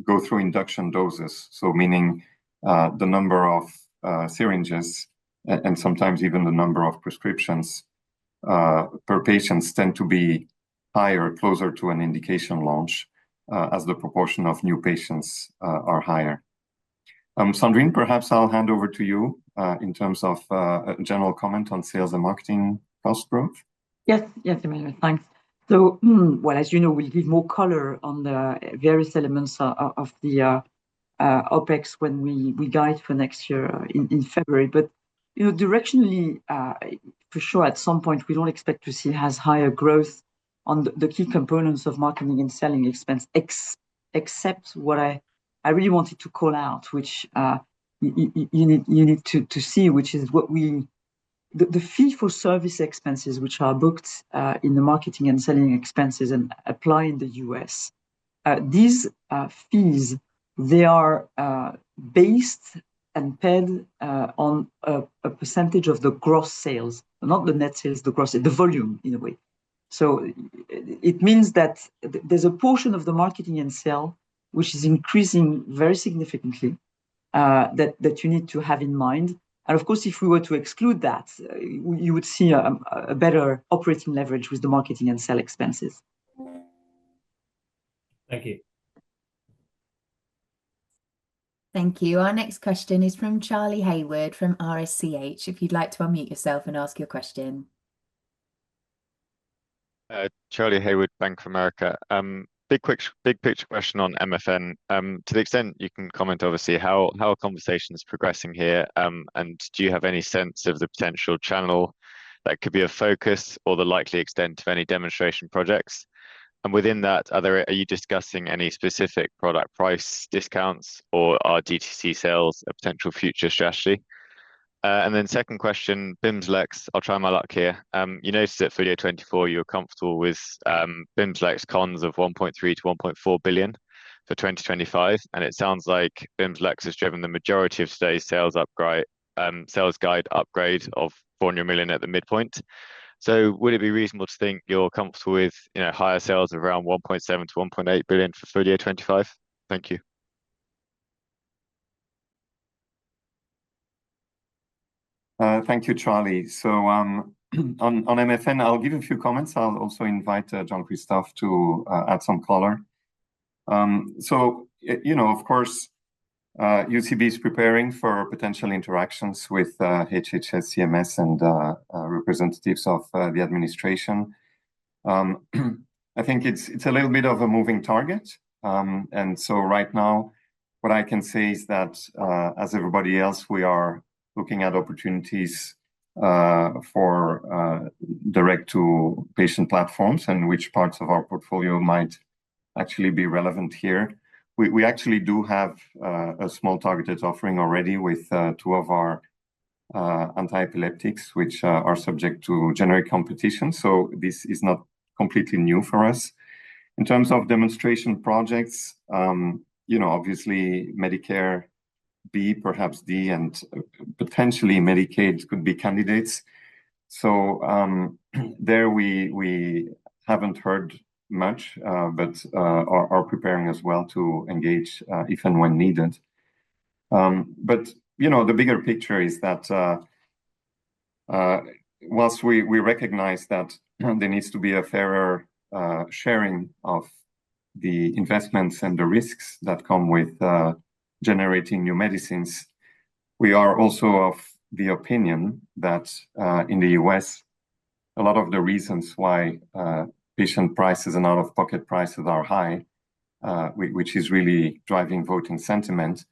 go through induction doses. Meaning the number of syringes and sometimes even the number of prescriptions per patient tend to be higher, closer to an indication launch, as the proportion of new patients are higher. Sandrine, perhaps I'll hand over to you in terms of a general comment on sales and marketing cost growth. Yes, yes, Emmanuel. Thanks. As you know, we'll give more color on the various elements of the OpEx when we guide for next year in February. Directionally, for sure, at some point, we don't expect to see higher growth on the key components of marketing and selling expense, except what I really wanted to call out, which you need to see, which is what we, the fee-for-service expenses, which are booked in the marketing and selling expenses and apply in the U.S. These fees, they are based and paid on a percentage of the gross sales, not the net sales, the gross sales, the volume in a way. It means that there's a portion of the marketing and sale which is increasing very significantly that you need to have in mind. Of course, if we were to exclude that, you would see a better operating leverage with the marketing and sale expenses. Thank you. Thank you. Our next question is from Charlie Haywood from RSCH. If you'd like to unmute yourself and ask your question. Charlie Haywood, Bank of America. Big picture question on MFN. To the extent you can comment, obviously, how are conversations progressing here, and do you have any sense of the potential channel that could be a focus or the likely extent of any demonstration projects? Within that, are you discussing any specific product price discounts or are DTC sales a potential future strategy? Second question, BIMZELX, I'll try my luck here. You noticed that for year 2024, you were comfortable with BIMZELX cons of $1.3 billion-$1.4 billion for 2025. It sounds like BIMZELX has driven the majority of today's sales guide upgrade of $400 million at the midpoint. Would it be reasonable to think you're comfortable with higher sales around $1.7 billion-$1.8 billion for year 2025? Thank you. Thank you, Charlie. On MFN, I'll give a few comments. I'll also invite Jean-Christophe to add some color. Of course, UCB is preparing for potential interactions with HHS, CMS, and representatives of the administration. I think it's a little bit of a moving target. Right now, what I can say is that, as everybody else, we are looking at opportunities for direct-to-patient platforms and which parts of our portfolio might actually be relevant here. We actually do have a small targeted offering already with two of our anti-epileptics, which are subject to generic competition. This is not completely new for us. In terms of demonstration projects, obviously Medicare B, perhaps D, and potentially Medicaid could be candidates. We haven't heard much, but are preparing as well to engage if and when needed. The bigger picture is that whilst we recognize that there needs to be a fairer sharing of the investments and the risks that come with generating new medicines, we are also of the opinion that in the U.S., a lot of the reasons why patient prices and out-of-pocket prices are high, which is really driving voting sentiment,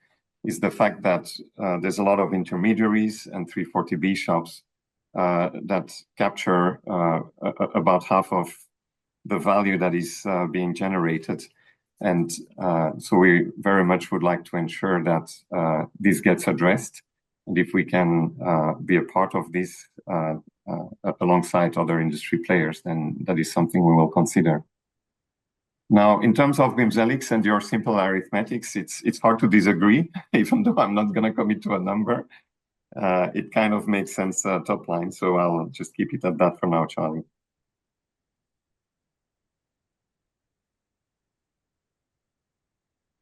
is the fact that there's a lot of intermediaries and 340B shops that capture about half of the value that is being generated. We very much would like to ensure that this gets addressed. If we can be a part of this alongside other industry players, then that is something we will consider. In terms of BIMZELX and your simple arithmetics, it's hard to disagree, even though I'm not going to commit to a number. It kind of makes sense top line. I'll just keep it at that for now, Charlie.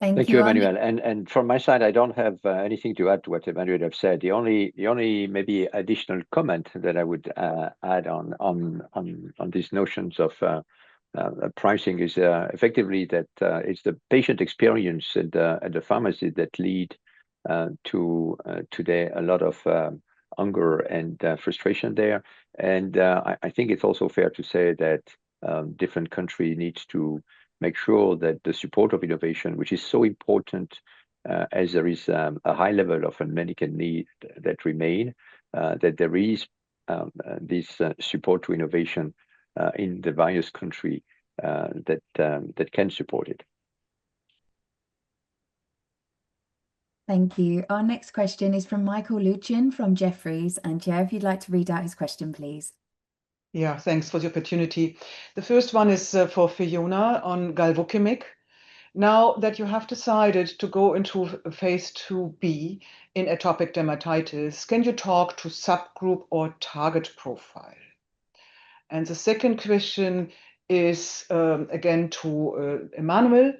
Thank you, Emmanuel. From my side, I don't have anything to add to what Emmanuel has said. The only maybe additional comment that I would add on these notions of pricing is effectively that it's the patient experience and the pharmacy that lead to today a lot of anger and frustration there. I think it's also fair to say that different countries need to make sure that the support of innovation, which is so important as there is a high level of a medical need that remain, that there is this support to innovation in the various countries that can support it. Thank you. Our next question is from Michael Luty from Jefferies. Antje, if you'd like to read out his question, please. Yeah, thanks for the opportunity. The first one is for Fiona on galvokimig. Now that you have decided to go into phase IIB in atopic dermatitis, can you talk to subgroup or target profile? The second question is again to Emmanuel.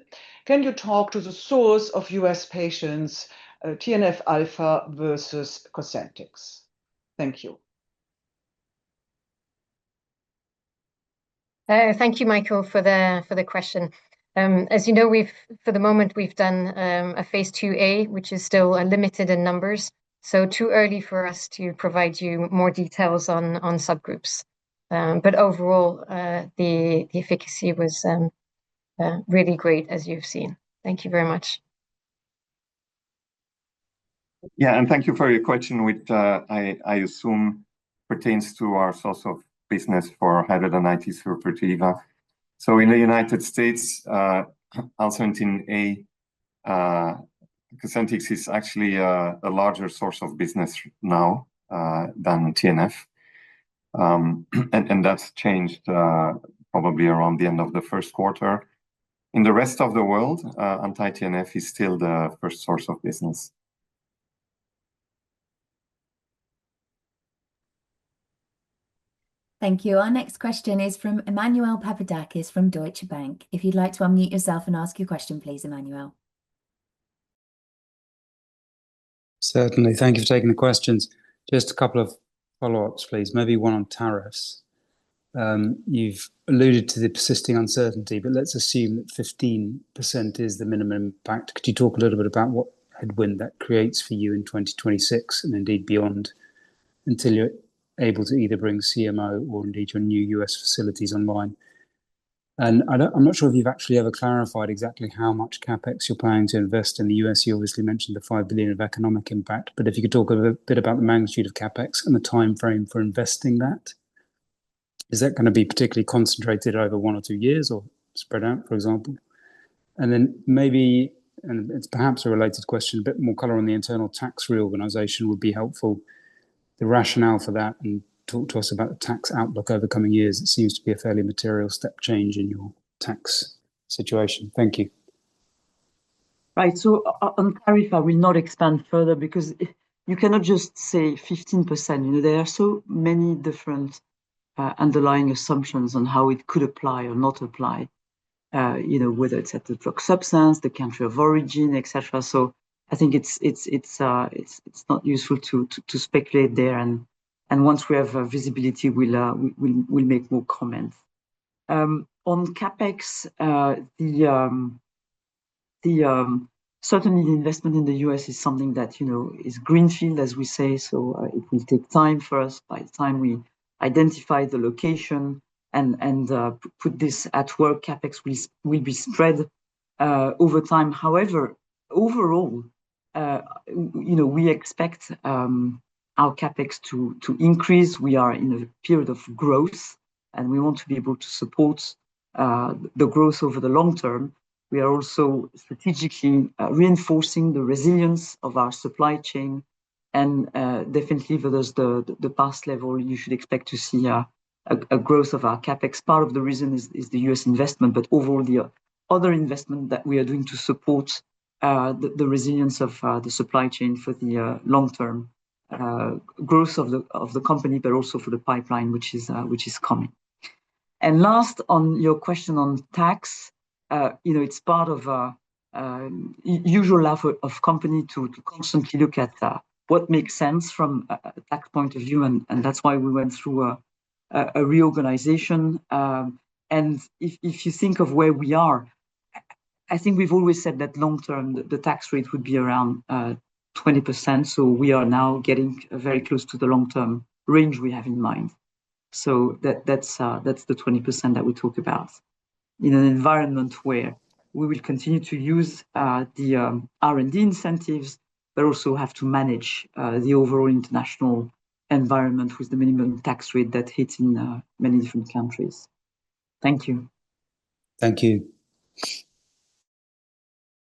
Can you talk to the source of U.S. patients, TNF alpha versus COSENTYX? Thank you. Thank you, Michael, for the question. As you know, for the moment, we've done a phase IIA, which is still limited in numbers. It's too early for us to provide you more details on subgroups. Overall, the efficacy was really great, as you've seen. Thank you very much. Yeah, thank you for your question, which I assume pertains to our source of business for hidradenitis suppurativa. In the United States, also in IL-17A, COSENTYX is actually a larger source of business now than TNF, and that's changed probably around the end of the first quarter. In the rest of the world, anti-TNF is still the first source of business. Thank you. Our next question is from Emmanuel Papadakis from Deutsche Bank. If you'd like to unmute yourself and ask your question, please, Emmanuel. Certainly. Thank you for taking the questions. Just a couple of follow-ups, please. Maybe one on tariffs. You've alluded to the persisting uncertainty, but let's assume that 15% is the minimum impact. Could you talk a little bit about what headwind that creates for you in 2026 and indeed beyond, until you're able to either bring CMO or your new U.S. facilities online? I'm not sure if you've actually ever clarified exactly how much CapEx you're planning to invest in the U.S. You obviously mentioned the $5 billion of economic impact, but if you could talk a bit about the magnitude of CapEx and the timeframe for investing that. Is that going to be particularly concentrated over one or two years or spread out, for example? Maybe, and it's perhaps a related question, a bit more color on the internal tax reorganization would be helpful. The rationale for that and talk to us about the tax outlook over coming years. It seems to be a fairly material step change in your tax situation. Thank you. Right. On tariff, I will not expand further because you cannot just say 15%. There are so many different underlying assumptions on how it could apply or not apply, whether it's at the drug substance, the country of origin, et cetera. I think it's not useful to speculate there. Once we have visibility, we'll make more comments. On CapEx, certainly, the investment in the U.S. is something that is greenfield, as we say. It will take time for us by the time we identify the location and put this at work. CapEx will be spread over time. However, overall, we expect our CapEx to increase. We are in a period of growth, and we want to be able to support the growth over the long term. We are also strategically reinforcing the resilience of our supply chain. Definitely, for the past level, you should expect to see a growth of our CapEx. Part of the reason is the U.S. investment, but overall, the other investment that we are doing to support the resilience of the supply chain for the long-term growth of the company, but also for the pipeline, which is coming. On your question on tax, it's part of a usual life of a company to constantly look at what makes sense from a tax point of view. That's why we went through a reorganization. If you think of where we are, I think we've always said that long-term, the tax rate would be around 20%. We are now getting very close to the long-term range we have in mind. That's the 20% that we talk about. In an environment where we will continue to use the R&D incentives, but also have to manage the overall international environment with the minimum tax rate that hits in many different countries. Thank you. Thank you.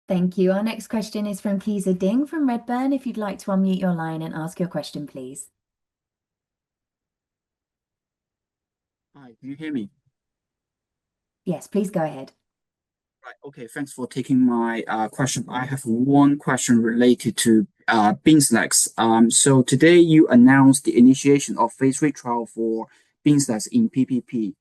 Thank you. Our next question is from Qize Ding from Redburn. If you'd like to unmute your line and ask your question, please. Hi, can you hear me? Yes, please go ahead. Right. Okay. Thanks for taking my question. I have one question related to BIMZELX. Today, you announced the initiation of phase III trial for BIMZELX in PPP.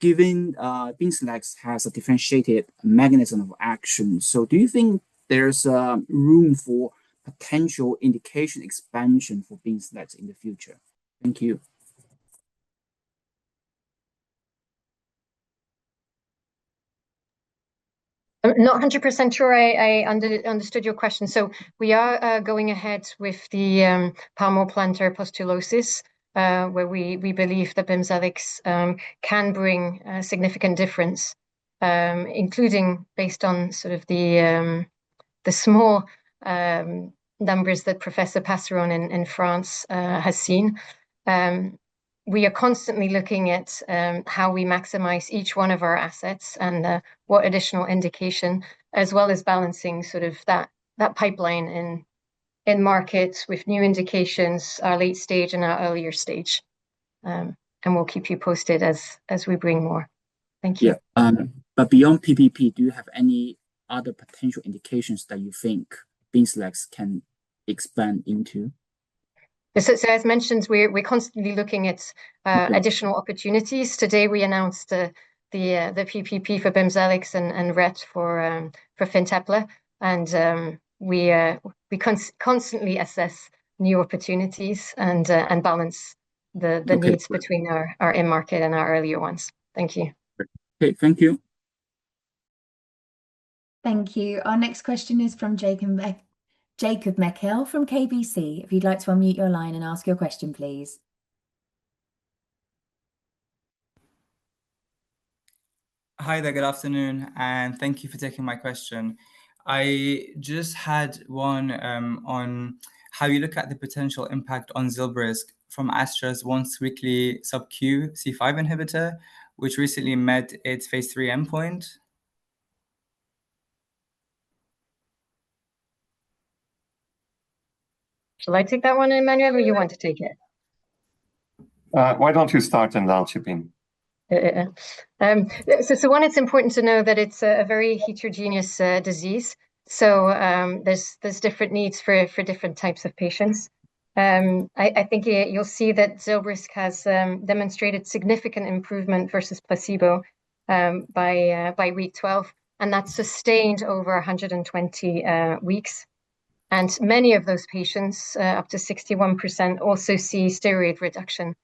Given BIMZELX has a differentiated mechanism of action, do you think there's room for potential indication expansion for BIMZELX in the future? Thank you. Not 100% sure I understood your question. We are going ahead with the palmoplantar pustulosis, where we believe that BIMZELX can bring a significant difference, including based on the small numbers that Professor Passeron in France has seen. We are constantly looking at how we maximize each one of our assets and what additional indication, as well as balancing that pipeline in markets with new indications, our late stage and our earlier stage. We'll keep you posted as we bring more. Thank you. Beyond PPP, do you have any other potential indications that you think BIMZELX can expand into? As I mentioned, we're constantly looking at additional opportunities. Today, we announced the PPP for BIMZELX and RET for FINTEPLA. We constantly assess new opportunities and balance the needs between our in-market and our earlier ones. Thank you. Okay. Thank you. Thank you. Our next question is from Jacob Mekhael from KBC. If you'd like to unmute your line and ask your question, please. Hi there. Good afternoon. Thank you for taking my question. I just had one on how you look at the potential impact on ZILBRYSQ from Astra's once-weekly sub-Q C5 inhibitor, which recently met its phase III endpoint. Shall I take that one, Emmanuel, or do you want to take it? Why don't you start and I'll chip in? It is important to know that it's a very heterogeneous disease. There are different needs for different types of patients. I think you'll see that ZILBRYSQ has demonstrated significant improvement versus placebo by week 12, and that's sustained over 120 weeks. Many of those patients, up to 61%, also see steroid reduction,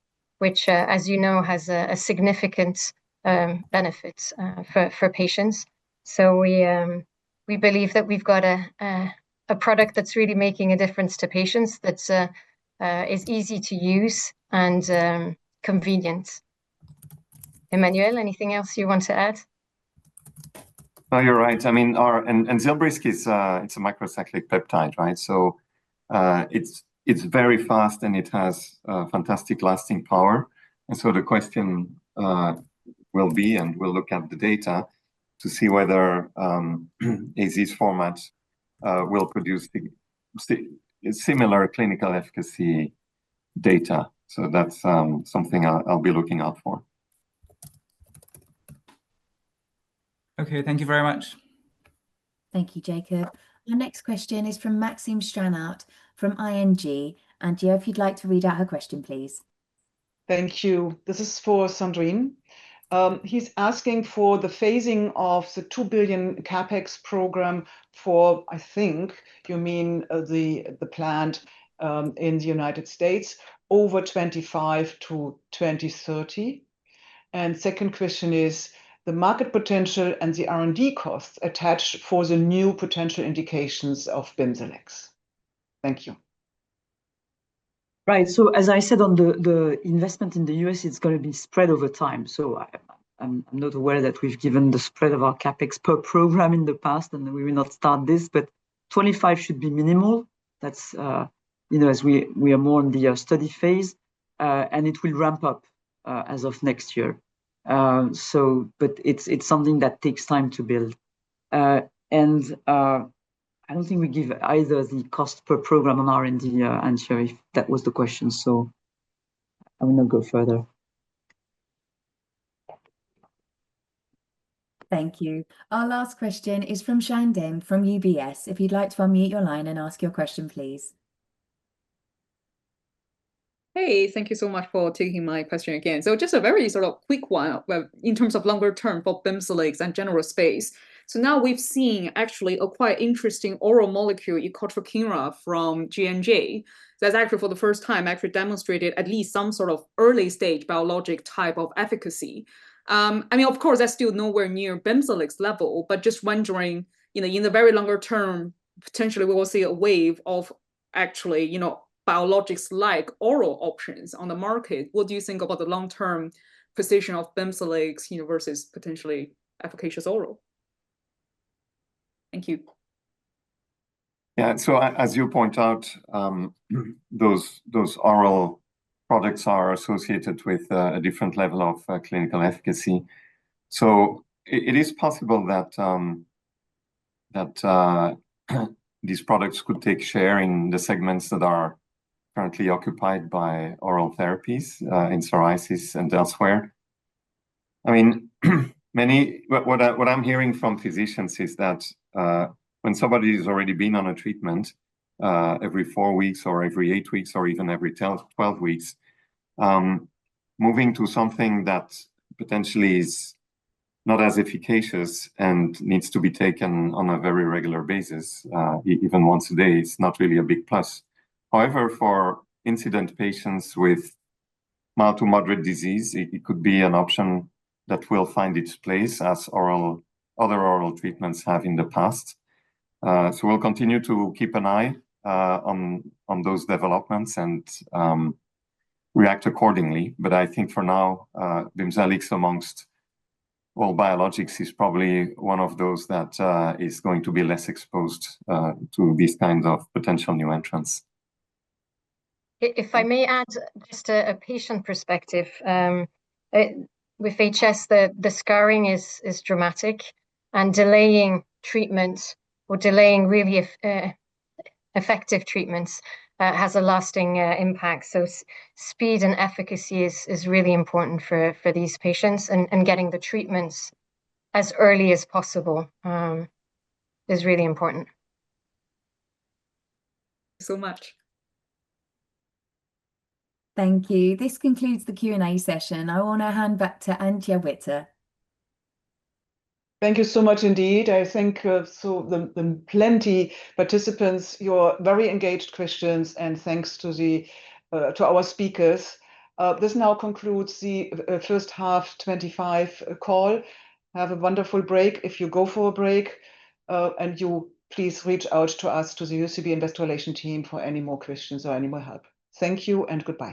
which, as you know, has a significant benefit for patients. We believe that we've got a product that's really making a difference to patients that is easy to use and convenient. Emmanuel, anything else you want to add? Oh, you're right. I mean, ZILBRYSQ is a microcyclic peptide, right? It's very fast, and it has fantastic lasting power. The question will be, and we'll look at the data to see whether AZ's format will produce similar clinical efficacy data. That's something I'll be looking out for. Okay, thank you very much. Thank you, Jacob. Our next question is from Maxime Stranart from ING. Antje, if you'd like to read out her question, please. Thank you. This is for Sandrine. He's asking for the phasing of the $2 billion CapEx program for, I think you mean the plant, in the United States over 2025 to 2030. The second question is the market potential and the R&D costs attached for the new potential indications of BIMZELX. Thank you. Right. As I said, on the investment in the U.S., it's going to be spread over time. I'm not aware that we've given the spread of our CapEx per program in the past, and we will not start this. 2025 should be minimal, as we are more in the study phase, and it will ramp up as of next year. It's something that takes time to build. I don't think we give either the cost per program on R&D, if that was the question. I will not go further. Thank you. Our last question is from Xian Deng from UBS. If you'd like to unmute your line and ask your question, please. Thank you so much for taking my question again. Just a very quick one in terms of longer term for BIMZELX and general space. Now we've seen actually a quite interesting oral molecule called icotrokinra from JNJ that for the first time actually demonstrated at least some sort of early stage biologic type of efficacy. I mean, of course, that's still nowhere near BIMZELX level, but just wondering, in the very longer term, potentially we will see a wave of biologics-like oral options on the market. What do you think about the long-term position of BIMZELX versus potentially efficacious oral? Thank you. Yeah. As you point out, those oral products are associated with a different level of clinical efficacy. It is possible that these products could take share in the segments that are currently occupied by oral therapies in psoriasis and elsewhere. What I'm hearing from physicians is that when somebody has already been on a treatment every four weeks or every eight weeks or even every 12 weeks, moving to something that potentially is not as efficacious and needs to be taken on a very regular basis, even once a day, is not really a big plus. However, for incident patients with mild to moderate disease, it could be an option that will find its place as other oral treatments have in the past. We'll continue to keep an eye on those developments and react accordingly. I think for now, BIMZELX amongst all biologics is probably one of those that is going to be less exposed to these kinds of potential new entrants. If I may add just a patient perspective. With HS, the scarring is dramatic. Delaying treatments or delaying really effective treatments has a lasting impact. Speed and efficacy is really important for these patients, and getting the treatments as early as possible is really important. Thank you so much. Thank you. This concludes the Q&A session. I want to hand back to Antje Witte. Thank you so much indeed. There are plenty of participants, your very engaged questions, and thanks to our speakers. This now concludes the first half 2025 call. Have a wonderful break if you go for a break. Please reach out to us, to the UCB investor relation team for any more questions or any more help. Thank you and goodbye.